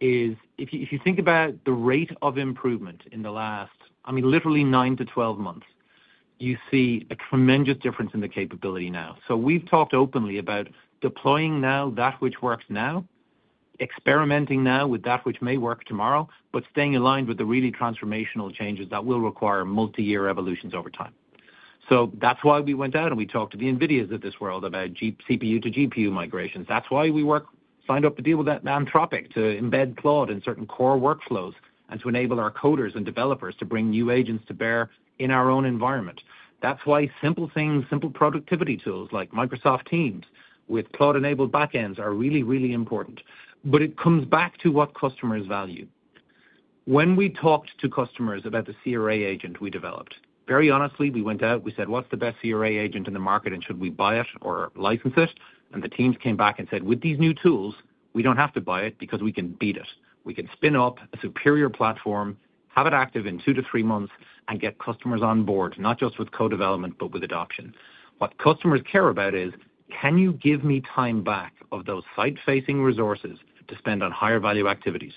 is, if you think about the rate of improvement in the last literally nine to 12 months, you see a tremendous difference in the capability now. We've talked openly about deploying now that which works now, experimenting now with that which may work tomorrow, but staying aligned with the really transformational changes that will require multi-year evolutions over time. That's why we went out, and we talked to the NVIDIA of this world about CPU-to-GPU migrations. That's why we signed a deal with Anthropic to embed Claude in certain core workflows and to enable our coders and developers to bring new agents to bear in our own environment. That's why simple things, simple productivity tools like Microsoft Teams with Claude-enabled backends, are really important. It comes back to what customers value. When we talked to customers about the CRA agent we developed. Very honestly, we went out, and we said, What's the best CRA agent in the market, and should we buy it or license it? The teams came back and said, "With these new tools, we don't have to buy it because we can beat it. We can spin up a superior platform, have it active in two to three months, and get customers on board, not just with co-development but with adoption. What customers care about is, can you give me time back of those site-facing resources to spend on higher-value activities?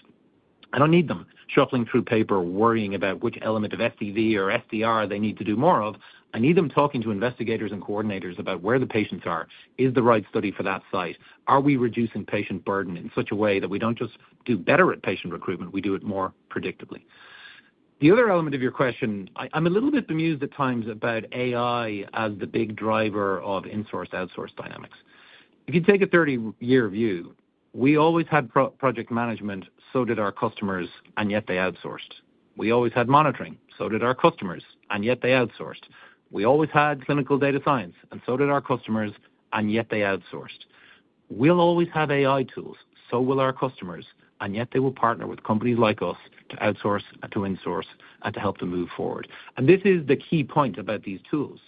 I don't need them shuffling through paper worrying about which element of FDD or FDR they need to do more of. I need them talking to investigators and coordinators about where the patients are. It is the right study for that site. Are we reducing patient burden in such a way that we don't just do better at patient recruitment, but we do it more predictably? The other element of your question is that I'm a little bit bemused at times about AI as the big driver of insourced and outsourced dynamics. If you take a 30-year view, we always had project management, and so did our customers, yet they outsourced. We always had monitoring, and so did our customers, yet they outsourced. We always had clinical data science, and so did our customers, yet they outsourced. We'll always have AI tools, and so will our customers, yet they will partner with companies like us to outsource and to insource and to help them move forward. This is the key point about these tools.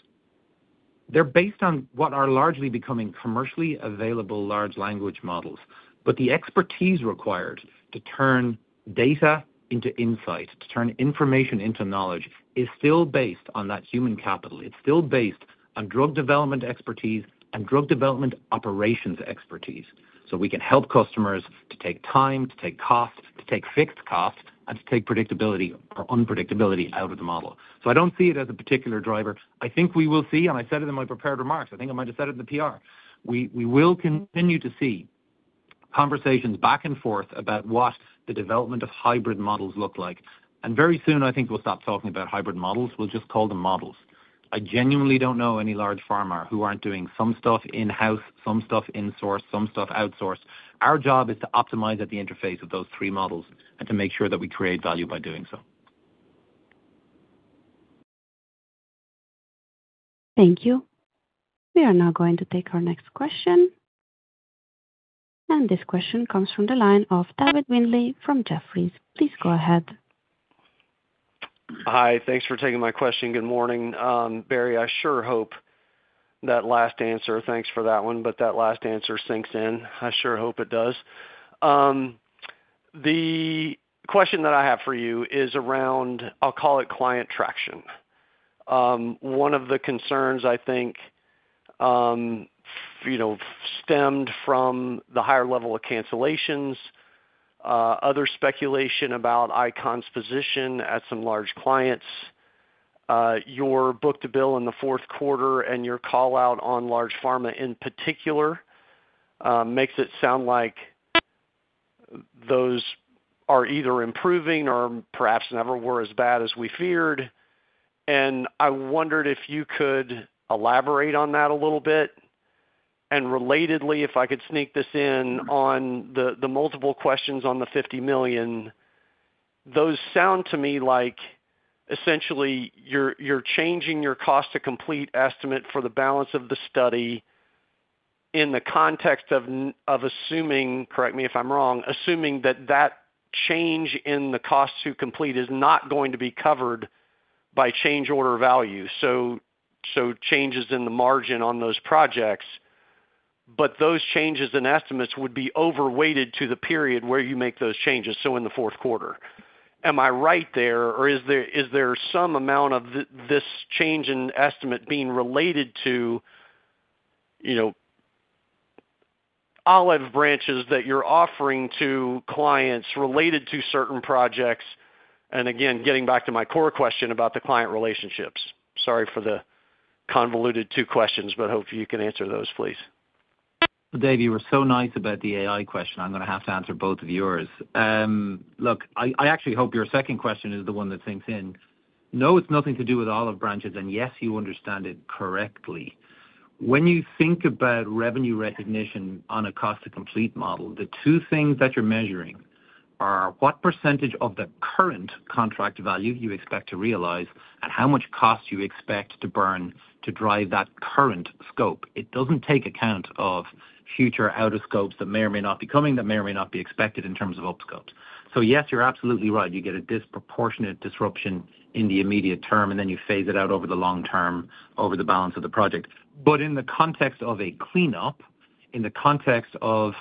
They're based on what are largely becoming commercially available large language models. The expertise required to turn data into insight, to turn information into knowledge, is still based on that human capital. Drug development expertise and drug development operations expertise. We can help customers to take time, to take costs, to take fixed costs, and to take predictability or unpredictability out of the model. I don't see it as a particular driver. I think we will see, and I said it in my prepared remarks; I think I might have said it in the PR. We will continue to see conversations back and forth about what the development of hybrid models looks like. Very soon, I think we'll stop talking about hybrid models. We'll just call them models. I genuinely don't know any large pharma who aren't doing some stuff in-house, some stuff insourced, and some stuff outsourced. Our job is to optimize at the interface of those three models and to make sure that we create value by doing so. Thank you. We are now going to take our next question. This question comes from the line of David Windley from Jefferies. Please go ahead. Hi. Thanks for taking my question. Good morning. Barry, I sure hope that last answer sinks in. Thanks for that one. I sure hope it does. The question that I have for you is around what I'll call client traction. One of the concerns, I think, stemmed from the higher level of cancellations and other speculation about ICON's position with some large clients. Your book-to-bill in the fourth quarter and your call-out on large pharma in particular make it sound like those are either improving or perhaps never were as bad as we feared. I wondered if you could elaborate on that a little bit. Relatedly, I could sneak this in on the multiple questions on the $50 million. Those sound to me like essentially you're changing your cost-to-complete estimate for the balance of the study in the context of assuming, correct me if I'm wrong, assuming that that change in the cost to complete is not going to be covered by the change order value. So, changes in the margin on those projects. Those changes in estimates would be overweighted to the period where you made those changes, so to the fourth quarter. Am I right there, or is there some amount of this change in estimate being related to olive branches that you're offering to clients related to certain projects? Again, getting back to my core question about the client relationships. Sorry for the convoluted two questions, but I hope you can answer those, please. Dave, you were so nice about the AI question. I'm going to have to answer both of yours. I actually hope your second question is the one that sinks in. It's nothing to do with olive branches, and yes, you understand it correctly. When you think about revenue recognition on a cost-to-complete model, the two things that you're measuring are what percentage of the current contract value you expect to realize and how much cost you expect to burn to drive that current scope. It doesn't take account of future out-of-scope items that may or may not be coming and that may or may not be expected in terms of scope. Yes, you're absolutely right. You get a disproportionate disruption in the immediate term, and then you phase it out over the long term over the balance of the project. In the context of a cleanup, in the context of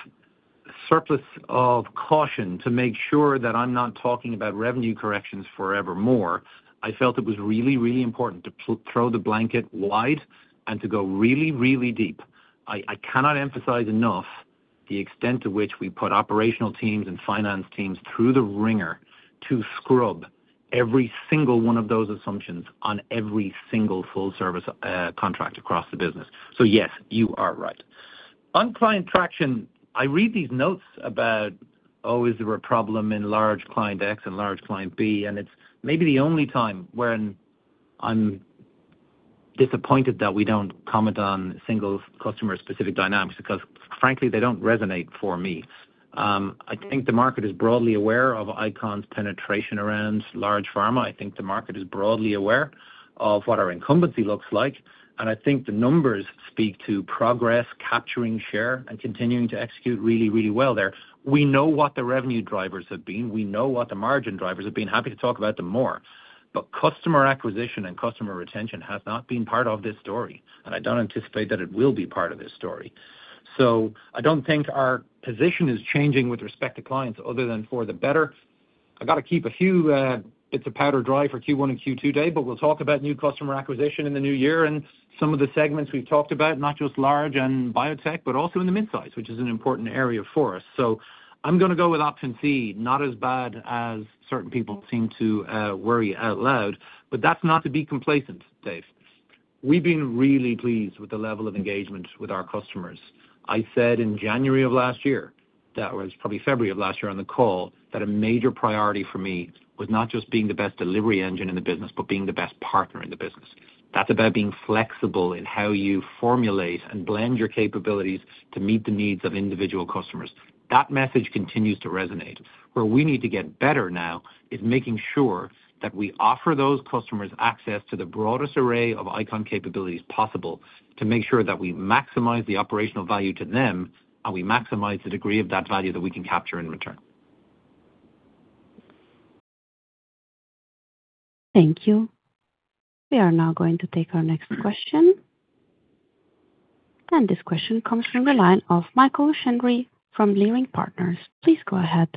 a surplus of caution to make sure that I'm not talking about revenue corrections forevermore, I felt it was really, really important to throw the blanket wide and to go really, really deep. I cannot emphasize enough the extent to which we put operational teams and finance teams through the wringer to scrub every single one of those assumptions on every single full-service contract across the business. Yes, you are right. On client traction, I read these notes about, oh, is there a problem in large client X and large client B, and it's maybe the only time when I'm disappointed that we don't comment on single customer-specific dynamics, because frankly, they don't resonate with me. I think the market is broadly aware of ICON's penetration around large pharma. I think the market is broadly aware of what our incumbency looks like; I think the numbers speak to progress, capturing share, and continuing to execute really, really well there. We know what the revenue drivers have been. We know what the margin drivers have been. Happy to talk about them more. Customer acquisition and customer retention have not been part of this story, and I don't anticipate that they will be part of this story. I don't think our position is changing with respect to clients other than for the better. I've got to keep a few bits of powder dry for Q1 and Q2, David, but we'll talk about new customer acquisition in the new year and some of the segments we've talked about, not just large and biotech but also midsize, which is an important area for us. I'm going to go with option C; it's not as bad as certain people seem to worry out loud. That's not to be complacent, Dave. We've been really pleased with the level of engagement with our customers. I said in January of last year, or it was probably February of last year on the call, that a major priority for me was not just being the best delivery engine in the business but being the best partner in the business. That's about being flexible in how you formulate and blend your capabilities to meet the needs of individual customers. That message continues to resonate. Where we need to get better now is making sure that we offer those customers access to the broadest array of ICON capabilities possible to make sure that we maximize the operational value to them, and we maximize the degree of that value that we can capture in return. Thank you. We are now going to take our next question. This question comes from the line of Michael Cherny from Leerink Partners. Please go ahead.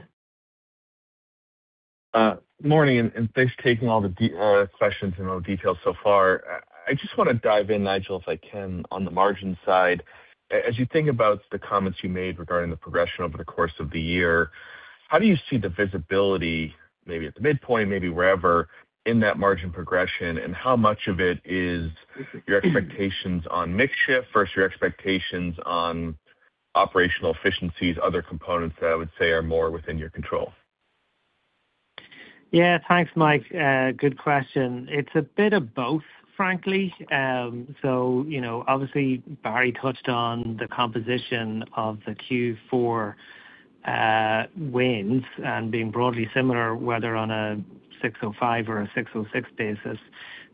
Morning, thanks for taking all the questions and all the details so far. I just want to dive in, Nigel, if I can, on the margin side. As you think about the comments you made regarding the progression over the course of the year, how do you see the visibility, maybe at the midpoint, maybe wherever, in that margin progression? How much of it is your expectations on mix shift versus your expectations on operational efficiencies, other components that I would say are more within your control? Yeah. Thanks, Mike. Good question. It's a bit of both, frankly. Obviously Barry touched on the composition of the Q4 wins and being broadly similar, whether on a 605 or a 606 basis.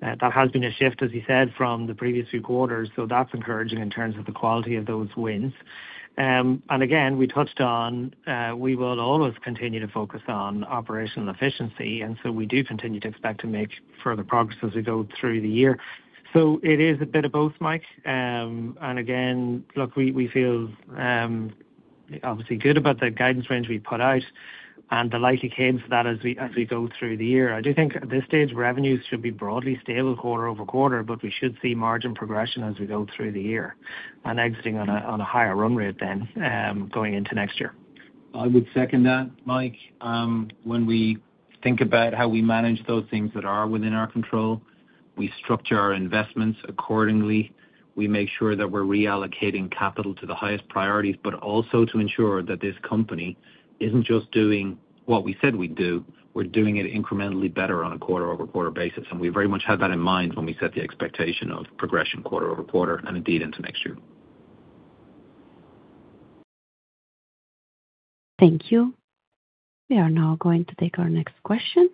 That has been a shift, as you said, from the previous two quarters. That's encouraging in terms of the quality of those wins. Again, we touched on how we will always continue to focus on operational efficiency. We do continue to expect to make further progress as we go through the year. It is a bit of both, Mike. Again, look, we feel obviously good about the guidance range we put out and the likely gains for that as we go through the year. I do think at this stage, revenues should be broadly stable quarter-over-quarter, but we should see margin progression as we go through the year and exit on a higher run rate than going into next year. I would second that, Mike. When we think about how we manage those things that are within our control, we structure our investments accordingly. We make sure that we're reallocating capital to the highest priorities, but also to ensure that this company isn't just doing what we said we'd do, we're doing it incrementally better on a quarter-over-quarter basis. We very much had that in mind when we set the expectation of progression quarter-over-quarter and indeed into next year. Thank you. We are now going to take our next question.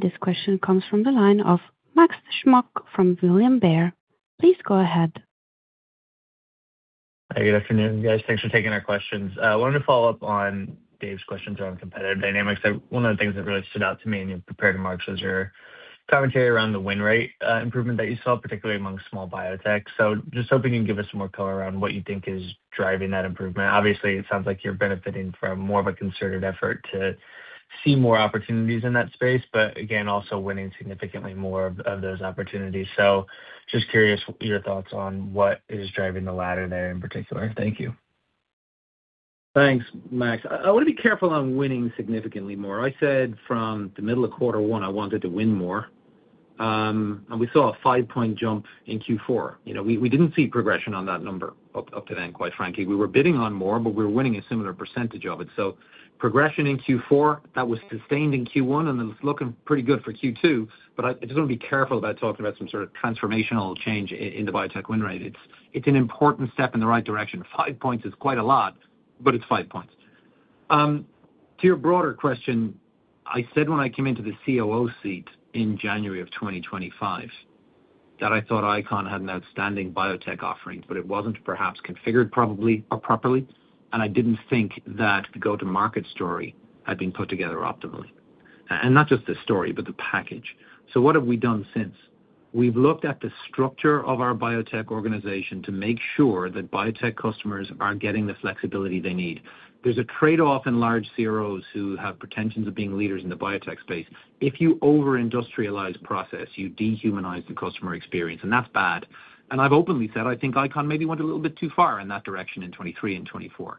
This question comes from the line of Max Smock from William Blair. Please go ahead. Hi, good afternoon, guys. Thanks for taking our questions. I wanted to follow up on David's questions around competitive dynamics. One of the things that really stood out to me in your prepared remarks was your commentary around the win rate improvement that you saw, particularly among small biotech. Hoping you can give us some more color around what you think is driving that improvement. Obviously, it sounds like you're benefiting from more of a concerted effort to see more opportunities in that space, but again, also winning significantly more of those opportunities. Curious about your thoughts on what is driving the latter there in particular. Thank you. Thanks, Max. I want to be careful about winning significantly more. I said from the middle of quarter one I wanted to win more, and we saw a five-point jump in Q4. We didn't see progression on that number up to then, quite frankly. We were bidding on more, but we were winning a similar percentage of it. Progression in Q4 was sustained in Q1, and it's looking pretty good for Q2. I just want to be careful about talking about some sort of transformational change in the biotech win rate. It's an important step in the right direction. Five points is quite a lot, but it's five points. To your broader question, I said when I came into the COO seat in January of 2025 that I thought ICON had an outstanding biotech offering, but it wasn't perhaps configured properly, and I didn't think that the go-to-market story had been put together optimally, not just the story but the package. What have we done since? We've looked at the structure of our biotech organization to make sure that biotech customers are getting the flexibility they need. There's a trade-off in large CROs who have pretensions of being leaders in the biotech space. If you over-industrialize a process, you dehumanize the customer experience, and that's bad. I've openly said I think ICON maybe went a little bit too far in that direction in 2023 and 2024.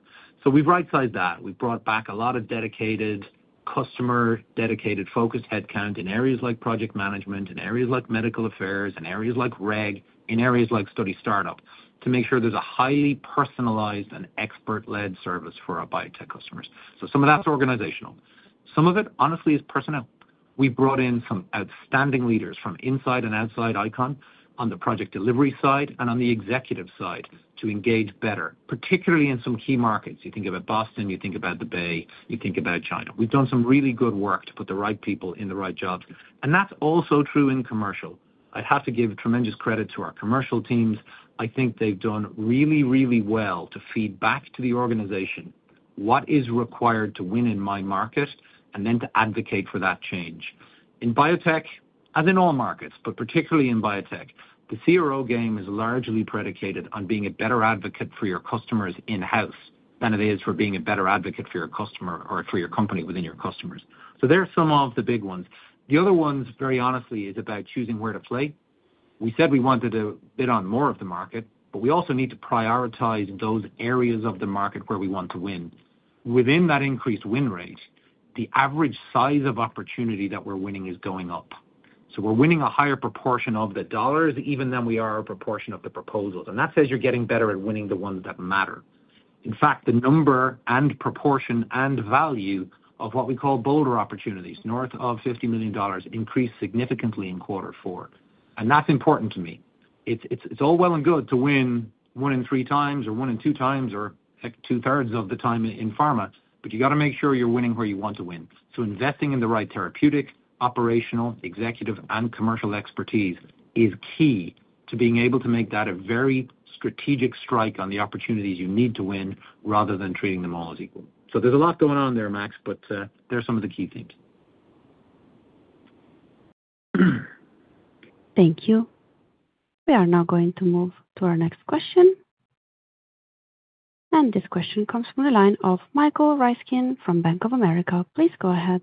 We've right-sized that. We've brought back a lot of dedicated, customer-dedicated, focused headcount in areas like project management; in areas like medical affairs; in areas like regulatory; and in areas like study startup to make sure there's a highly personalized and expert-led service for our biotech customers. Some of that's organizational. Some of it, honestly, is personnel. We brought in some outstanding leaders from inside and outside ICON on the project delivery side and on the executive side to engage better, particularly in some key markets. You think about Boston, you think about the Bay, you think about China. We've done some really good work to put the right people in the right jobs. That's also true commercially. I'd have to give tremendous credit to our commercial teams. I think they've done really, really well to feed back to the organization what is required to win in my market and then to advocate for that change. In biotech, as in all markets, but particularly in biotech, the CRO game is largely predicated on being a better advocate for your customers in-house than it is for being a better advocate for your customer or for your company within your customers' organizations. There are some of the big ones. The other one, very honestly, is about choosing where to play. We said we wanted to bid on more of the market, but we also need to prioritize those areas of the market where we want to win. Within that increased win rate, the average size of opportunity that we're winning is going up. We're winning a higher proportion of the dollars even than we are a proportion of the proposals, and that says you're getting better at winning the ones that matter. In fact, the number and proportion and value of what we call bolder opportunities, north of $50 million, increased significantly in quarter four, and that's important to me. It's all well and good to win one in three times or one in two times or two-thirds of the time in pharma, but you've got to make sure you're winning where you want to win. Investing in the right therapeutic, operational, executive, and commercial expertise is key to being able to make that a very strategic strike on the opportunities you need to win rather than treating them all as equal. There's a lot going on there, Max, but there are some of the key themes. Thank you. We are now going to move to our next question. This question comes from the line of Michael Ryskin from Bank of America. Please go ahead.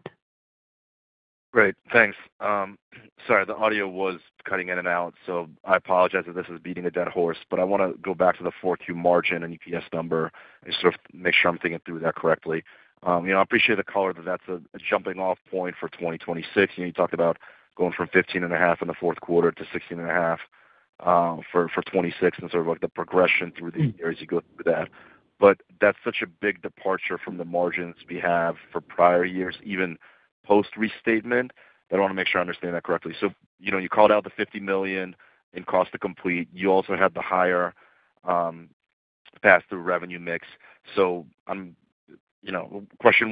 Great. Thanks. Sorry, the audio was cutting in and out, so I apologize if this is beating a dead horse. I want to go back to the 4Q margin and EPS number and sort of make sure I'm thinking through that correctly. I appreciate the color; that's a jumping-off point for 2026. You talked about going from 15.5% in the fourth quarter to 16.5% for 2026 and the sort of progression through the years you go through that. That's such a big departure from the margins we have for prior years, even post-restatement, that I want to make sure I understand that correctly. You called out the $50 million in cost to complete. You also had the higher pass-through revenue mix. Question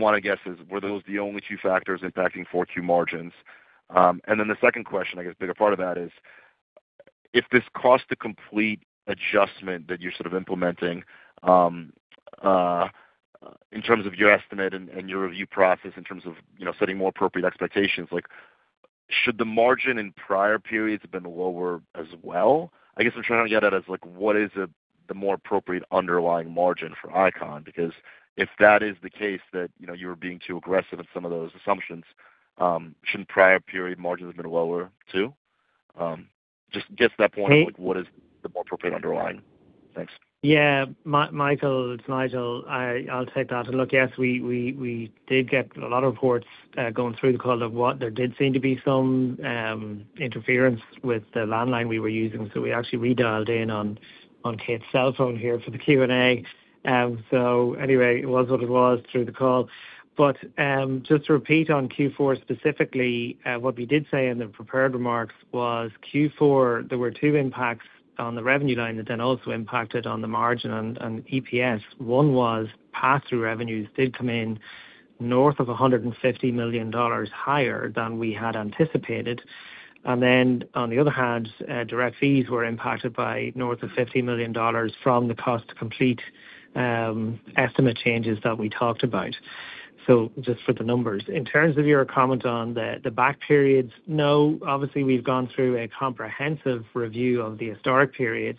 one, I guess, is were those the only two factors impacting 4Q margins? The second question, I guess, is a bigger part of that: if this cost to complete adjustment that you're sort of implementing in terms of your estimate and your review process in terms of setting more appropriate expectations, should the margin in prior periods have been lower as well? I guess I'm trying to get at is what is the more appropriate underlying margin for ICON? If that is the case that you were being too aggressive in some of those assumptions, shouldn't prior period margins have been lower too? Just get to that point of what is the more appropriate underlying. Thanks. Yeah. Michael, it's Nigel. I'll take that. Yes, we did get a lot of reports going through the call that there did seem to be some interference with the landline we were using. We actually redialed in on Kate's cell phone here for the Q&A. Anyway, it was what it was through the call. Just to repeat on Q4 specifically, what we did say in the prepared remarks was Q4, there were two impacts on the revenue line that also impacted the margin and EPS. One was pass-through revenues did come in north of $150 million higher than we had anticipated. On the other hand, direct fees were impacted by north of $50 million from the cost to complete estimate changes that we talked about. Just for the numbers. In terms of your comment on the back periods, no, obviously we've gone through a comprehensive review of the historic periods.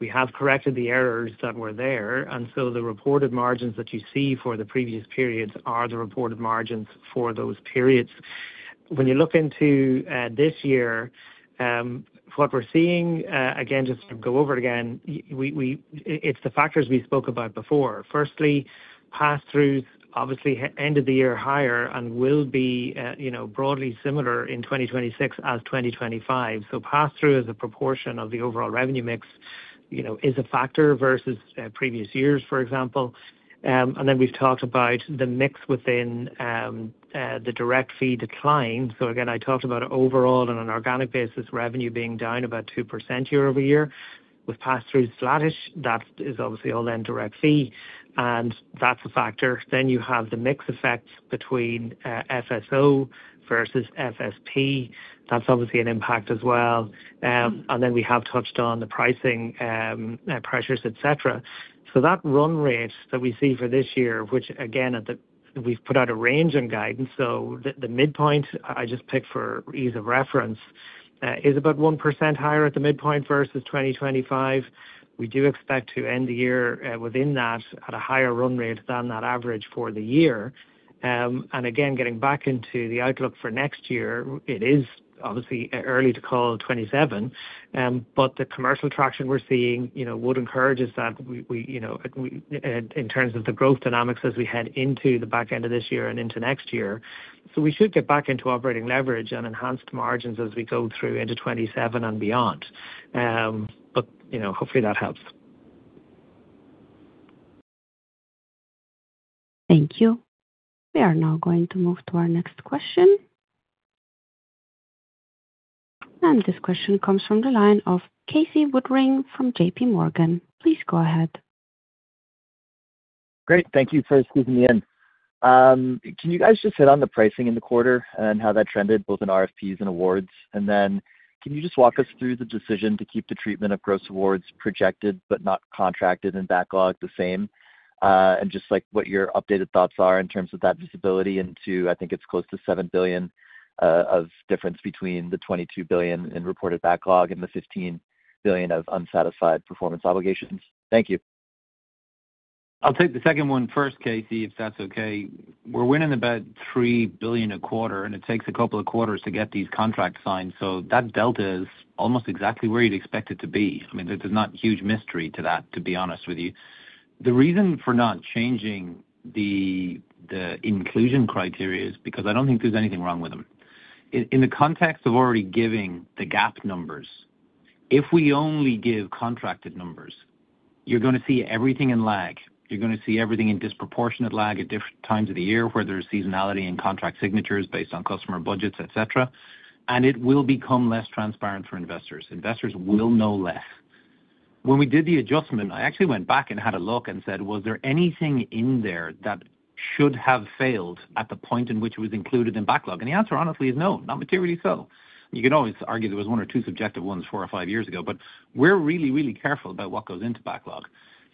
We have corrected the errors that were there. The reported margins that you see for the previous periods are the reported margins for those periods. When you look into this year, what we're seeing, again, just to go over it again, are the factors we spoke about before. Firstly, Pass-Through obviously ended the year higher and will be broadly similar in 2026 to 2025. Pass-through as a proportion of the overall revenue mix is a factor versus previous years, for example. Then we've talked about the mix within the direct fee decline. Again, I talked about it overall on an organic basis, revenue being down about 2% year-over-year with pass-through being flatish. That is obviously all a direct fee, and that's a factor. You have the mixed effects between FSO versus FSP. That's obviously an impact as well. Then we have touched on the pricing pressures, et cetera. That run rate that we see for this year, for which, again, we've put out a range in guidance. The midpoint I just picked for ease of reference is about 1% higher at the midpoint versus 2025. We do expect to end the year at a higher run rate than that average for the year. Again, getting back into the outlook for next year, it is obviously early to call 2027. The commercial traction we're seeing would encourage us in terms of the growth dynamics as we head into the back end of this year and into next year. We should get back into operating leverage and enhanced margins as we go into 2027 and beyond. Hopefully that helps. Thank you. We are now going to move to our next question. This question comes from the line of Casey Woodring from JPMorgan. Please go ahead. Great. Thank you for squeezing me in. Can you guys just hit on the pricing in the quarter and how that trended both in RFPs and awards? Can you just walk us through the decision to keep the treatment of gross awards projected but not contracted in backlog the same? Just like what your updated thoughts are in terms of that visibility, I think it's close to $7 billion of a difference between the $22 billion in reported backlog and the $15 billion of unsatisfied performance obligations. Thank you. I'll take the second one first, Casey, if that's okay. We're winning about $3 billion a quarter, and it takes a couple of quarters to get these contracts signed. That delta is almost exactly where you'd expect it to be. There's not a huge mystery to that, to be honest with you. The reason for not changing the inclusion criteria is because I don't think there's anything wrong with them. In the context of already giving the GAAP numbers, if we only give contracted numbers, you're going to see everything in a lag. You're going to see everything with disproportionate lag at different times of the year when there's seasonality in contract signatures based on customer budgets, et cetera. It will become less transparent for investors. Investors will know less. When we did the adjustment, I actually went back and had a look and said, Was there anything in there that should have failed at the point in which it was included in backlog? The answer, honestly, is no, not materially so. You can always argue there were one or two subjective ones four or five years ago, but we're really careful about what goes into the backlog.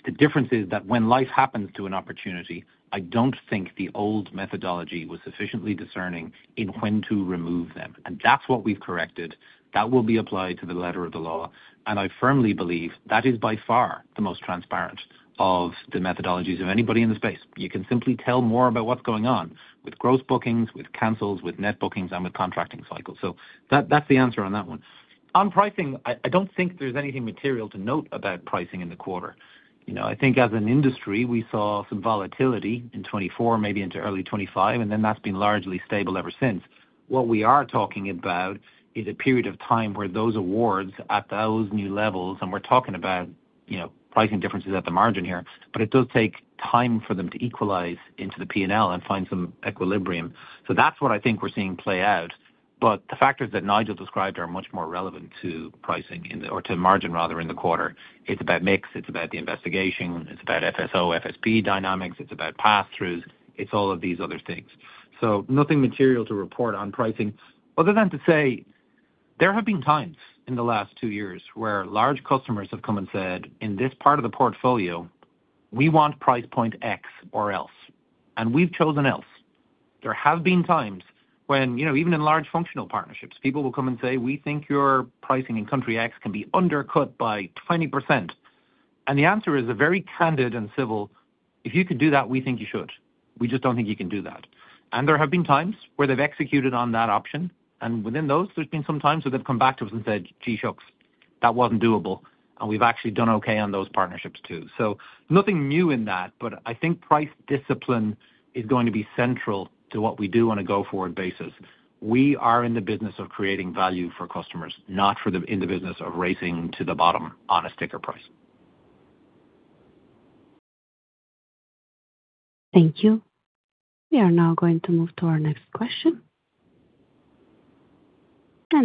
The difference is that when life happens to an opportunity, I don't think the old methodology was sufficiently discerning in when to remove it. That's what we've corrected. That will be applied to the letter of the law, and I firmly believe that is by far the most transparent of the methodologies of anybody in the space. You can simply tell more about what's going on with gross bookings, with cancels, with net bookings, and with contracting cycles. That's the answer on that one. On pricing, I don't think there's anything material to note about pricing in the quarter. I think as an industry, we saw some volatility in 2024, maybe into early 2025, that's been largely stable ever since. What we are talking about is a period of time for those awards at those new levels; we're talking about pricing differences at the margin here; it does take time for them to equalize into the P&L and find some equilibrium. That's what I think we're seeing play out. The factors that Nigel described are much more relevant to pricing, or to margin, rather, in the quarter. It's about the mix, it's about the investigation, it's about FSO/FSP dynamics, it's about passthroughs, it's all of these other things. Nothing material to report on pricing other than to say there have been times in the last two years when large customers have come and said, In this part of the portfolio, we want price point X or else." We've chosen "or else." There have been times when even in large functional partnerships, people will come and say, "We think your pricing in country X can be undercut by 20%. The answer is a very candid and civil, 'If you could do that, we think you should. We just don't think you can do that. There have been times where they've executed on that option. Within those, there have been some times where they've come back to us and said, Gee shucks, that wasn't doable. We've actually done okay on those partnerships too. Nothing new in that. I think price discipline is going to be central to what we do on a go-forward basis. We are in the business of creating value for customers, not in the business of racing to the bottom on a sticker price. Thank you. We are now going to move to our next question.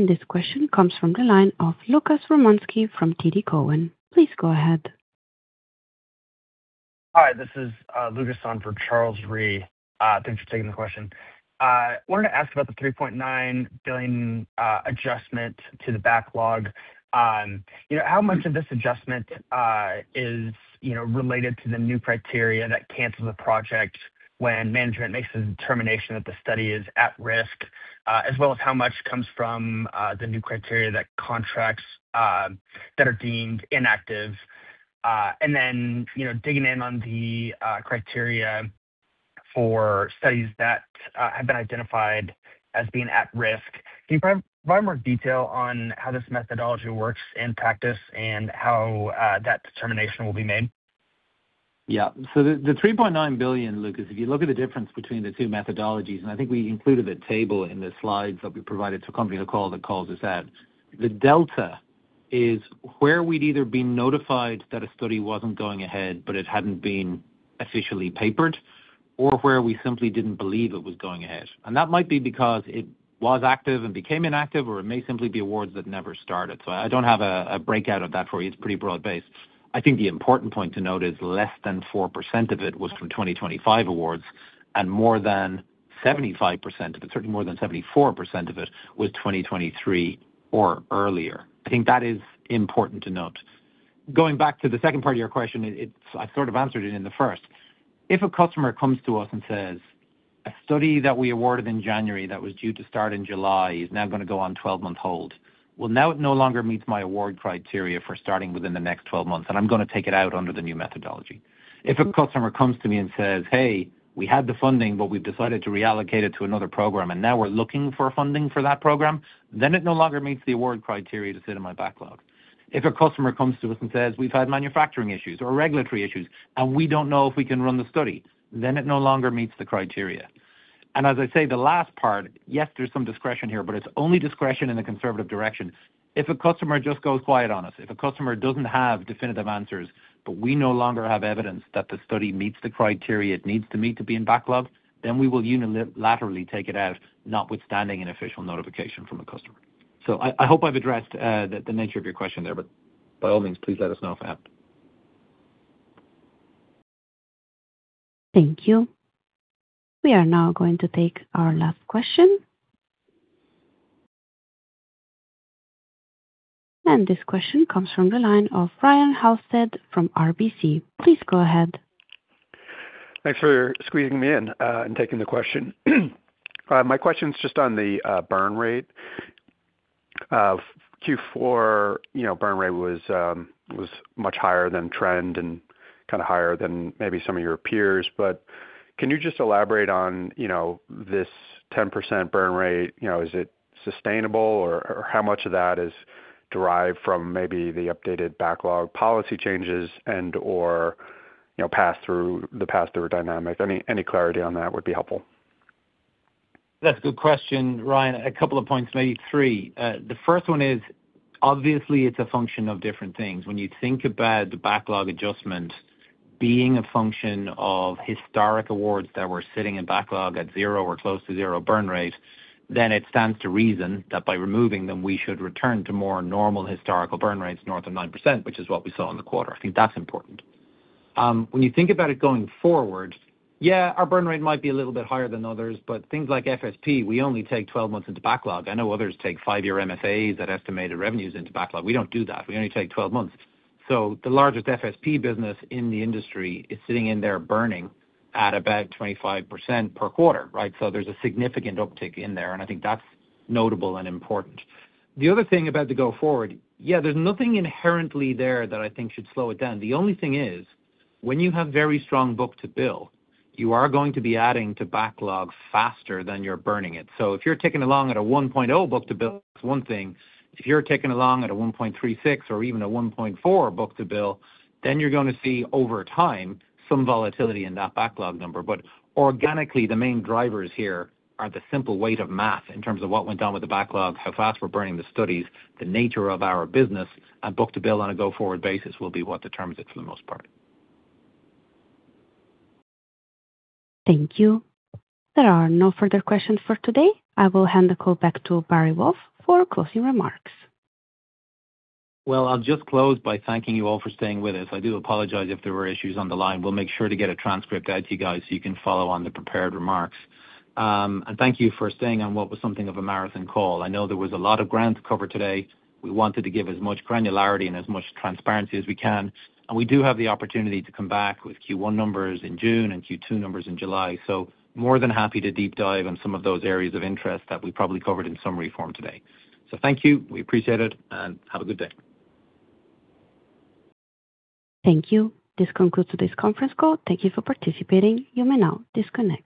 This question comes from the line of Lucas Romanski from TD Cowen. Please go ahead. Hi, this is Lucas on for Charles Rhyee. Thanks for taking the question. Wanted to ask about the $3.9 billion adjustment to the backlog. How much of this adjustment is related to the new criteria that cancel the project when management makes the determination that the study is at risk, as well as how much comes from the new criteria for contracts that are deemed inactive? Then digging in on the criteria for studies that have been identified as being at risk. Can you provide more detail on how this methodology works in practice and how that determination will be made? The $3.9 billion, Lucas, if you look at the difference between the two methodologies, and I think we included a table in the slides that we provided to accompany the call that calls this out. The delta is where we'd either been notified that a study wasn't going ahead but it hadn't been officially papered or where we simply didn't believe it was going ahead. That might be because it was active and became inactive, or it may simply be awards that never started. I don't have a breakout of that for you. It's pretty broad-based. I think the important point to note is less than 4% of it was from 2025 awards, and more than 75% of it, certainly more than 74% of it, was 2023 or earlier. I think that is important to note. Going back to the second part of your question, I sort of answered it in the first. If a customer comes to us and says, A study that we awarded in January that was due to start in July is now going to go on a 12-month hold. Well, now it no longer meets my award criteria for starting within the next 12 months, and I'm going to take it out under the new methodology. If a customer comes to me and says, Hey, we had the funding, but we've decided to reallocate it to another program, and now we're looking for funding for that program, then it no longer meets the award criteria to sit in my backlog. If a customer comes to us and says, We've had manufacturing issues or regulatory issues, and we don't know if we can run the study, then it no longer meets the criteria. As I say, the last part, yes, there's some discretion here, but it's only discretion in the conservative direction. If a customer just goes quiet on us, if a customer doesn't have definitive answers, but we no longer have evidence that the study meets the criteria it needs to meet to be in backlog, then we will unilaterally take it out, notwithstanding an official notification from a customer. I hope I've addressed the nature of your question there, but by all means, please let us know if I haven't. Thank you. We are now going to take our last question. This question comes from the line of Ryan Halsted from RBC. Please go ahead. Thanks for squeezing me in and taking the question. My question's just on the burn rate. Q4 burn rate was much higher than the trend and higher than maybe some of your peers'. Can you just elaborate on this 10% burn rate? Is it sustainable, or how much of that is derived from maybe the updated backlog policy changes and/or the passthrough dynamic? Any clarity on that would be helpful. That's a good question, Ryan. A couple of points, maybe three. The first one is, obviously, it's a function of different things. When you think about the backlog adjustment being a function of historic awards that were sitting in backlog at zero or close to zero burn rate, then it stands to reason that by removing them, we should return to more normal historical burn rates north of 9%, which is what we saw in the quarter. I think that's important. When you think about it going forward, yeah, our burn rate might be a little bit higher than others, but things like FSP, we only take 12 months into backlog. I know others take five-year MSAs at estimated revenues into backlog. We don't do that. We only take 12 months. The largest FSP business in the industry is sitting in there burning at about 25% per quarter, right? There's a significant uptick in there, and I think that's notable and important. The other thing about the go forward, yeah, there's nothing inherently there that I think should slow it down. The only thing is, when you have very strong book-to-bill, you are going to be adding to backlog faster than you're burning it. If you're ticking along at a 1.0x book-to-bill, that's one thing. If you're ticking along at a 1.36x or even a 1.4x book-to-bill, then you're going to see over time some volatility in that backlog number. Organically, the main drivers here are the simple weight of math in terms of what went on with the backlog, how fast we're burning the studies, the nature of our business, and book-to-bill on a go-forward basis will be what determines it for the most part. Thank you. There are no further questions for today. I will hand the call back to Barry Balfe for closing remarks. Well, I'll just close by thanking you all for staying with us. I do apologize if there were issues on the line. We'll make sure to get a transcript out to you guys so you can follow the prepared remarks. Thank you for staying on what was something of a marathon call. I know there was a lot of ground to cover today. We wanted to give as much granularity and as much transparency as we can, and we do have the opportunity to come back with Q1 numbers in June and Q2 numbers in July. More than happy to deep dive on some of those areas of interest that we probably covered in summary form today. Thank you. We appreciate it, and have a good day. Thank you. This concludes this conference call. Thank you for participating. You may now disconnect.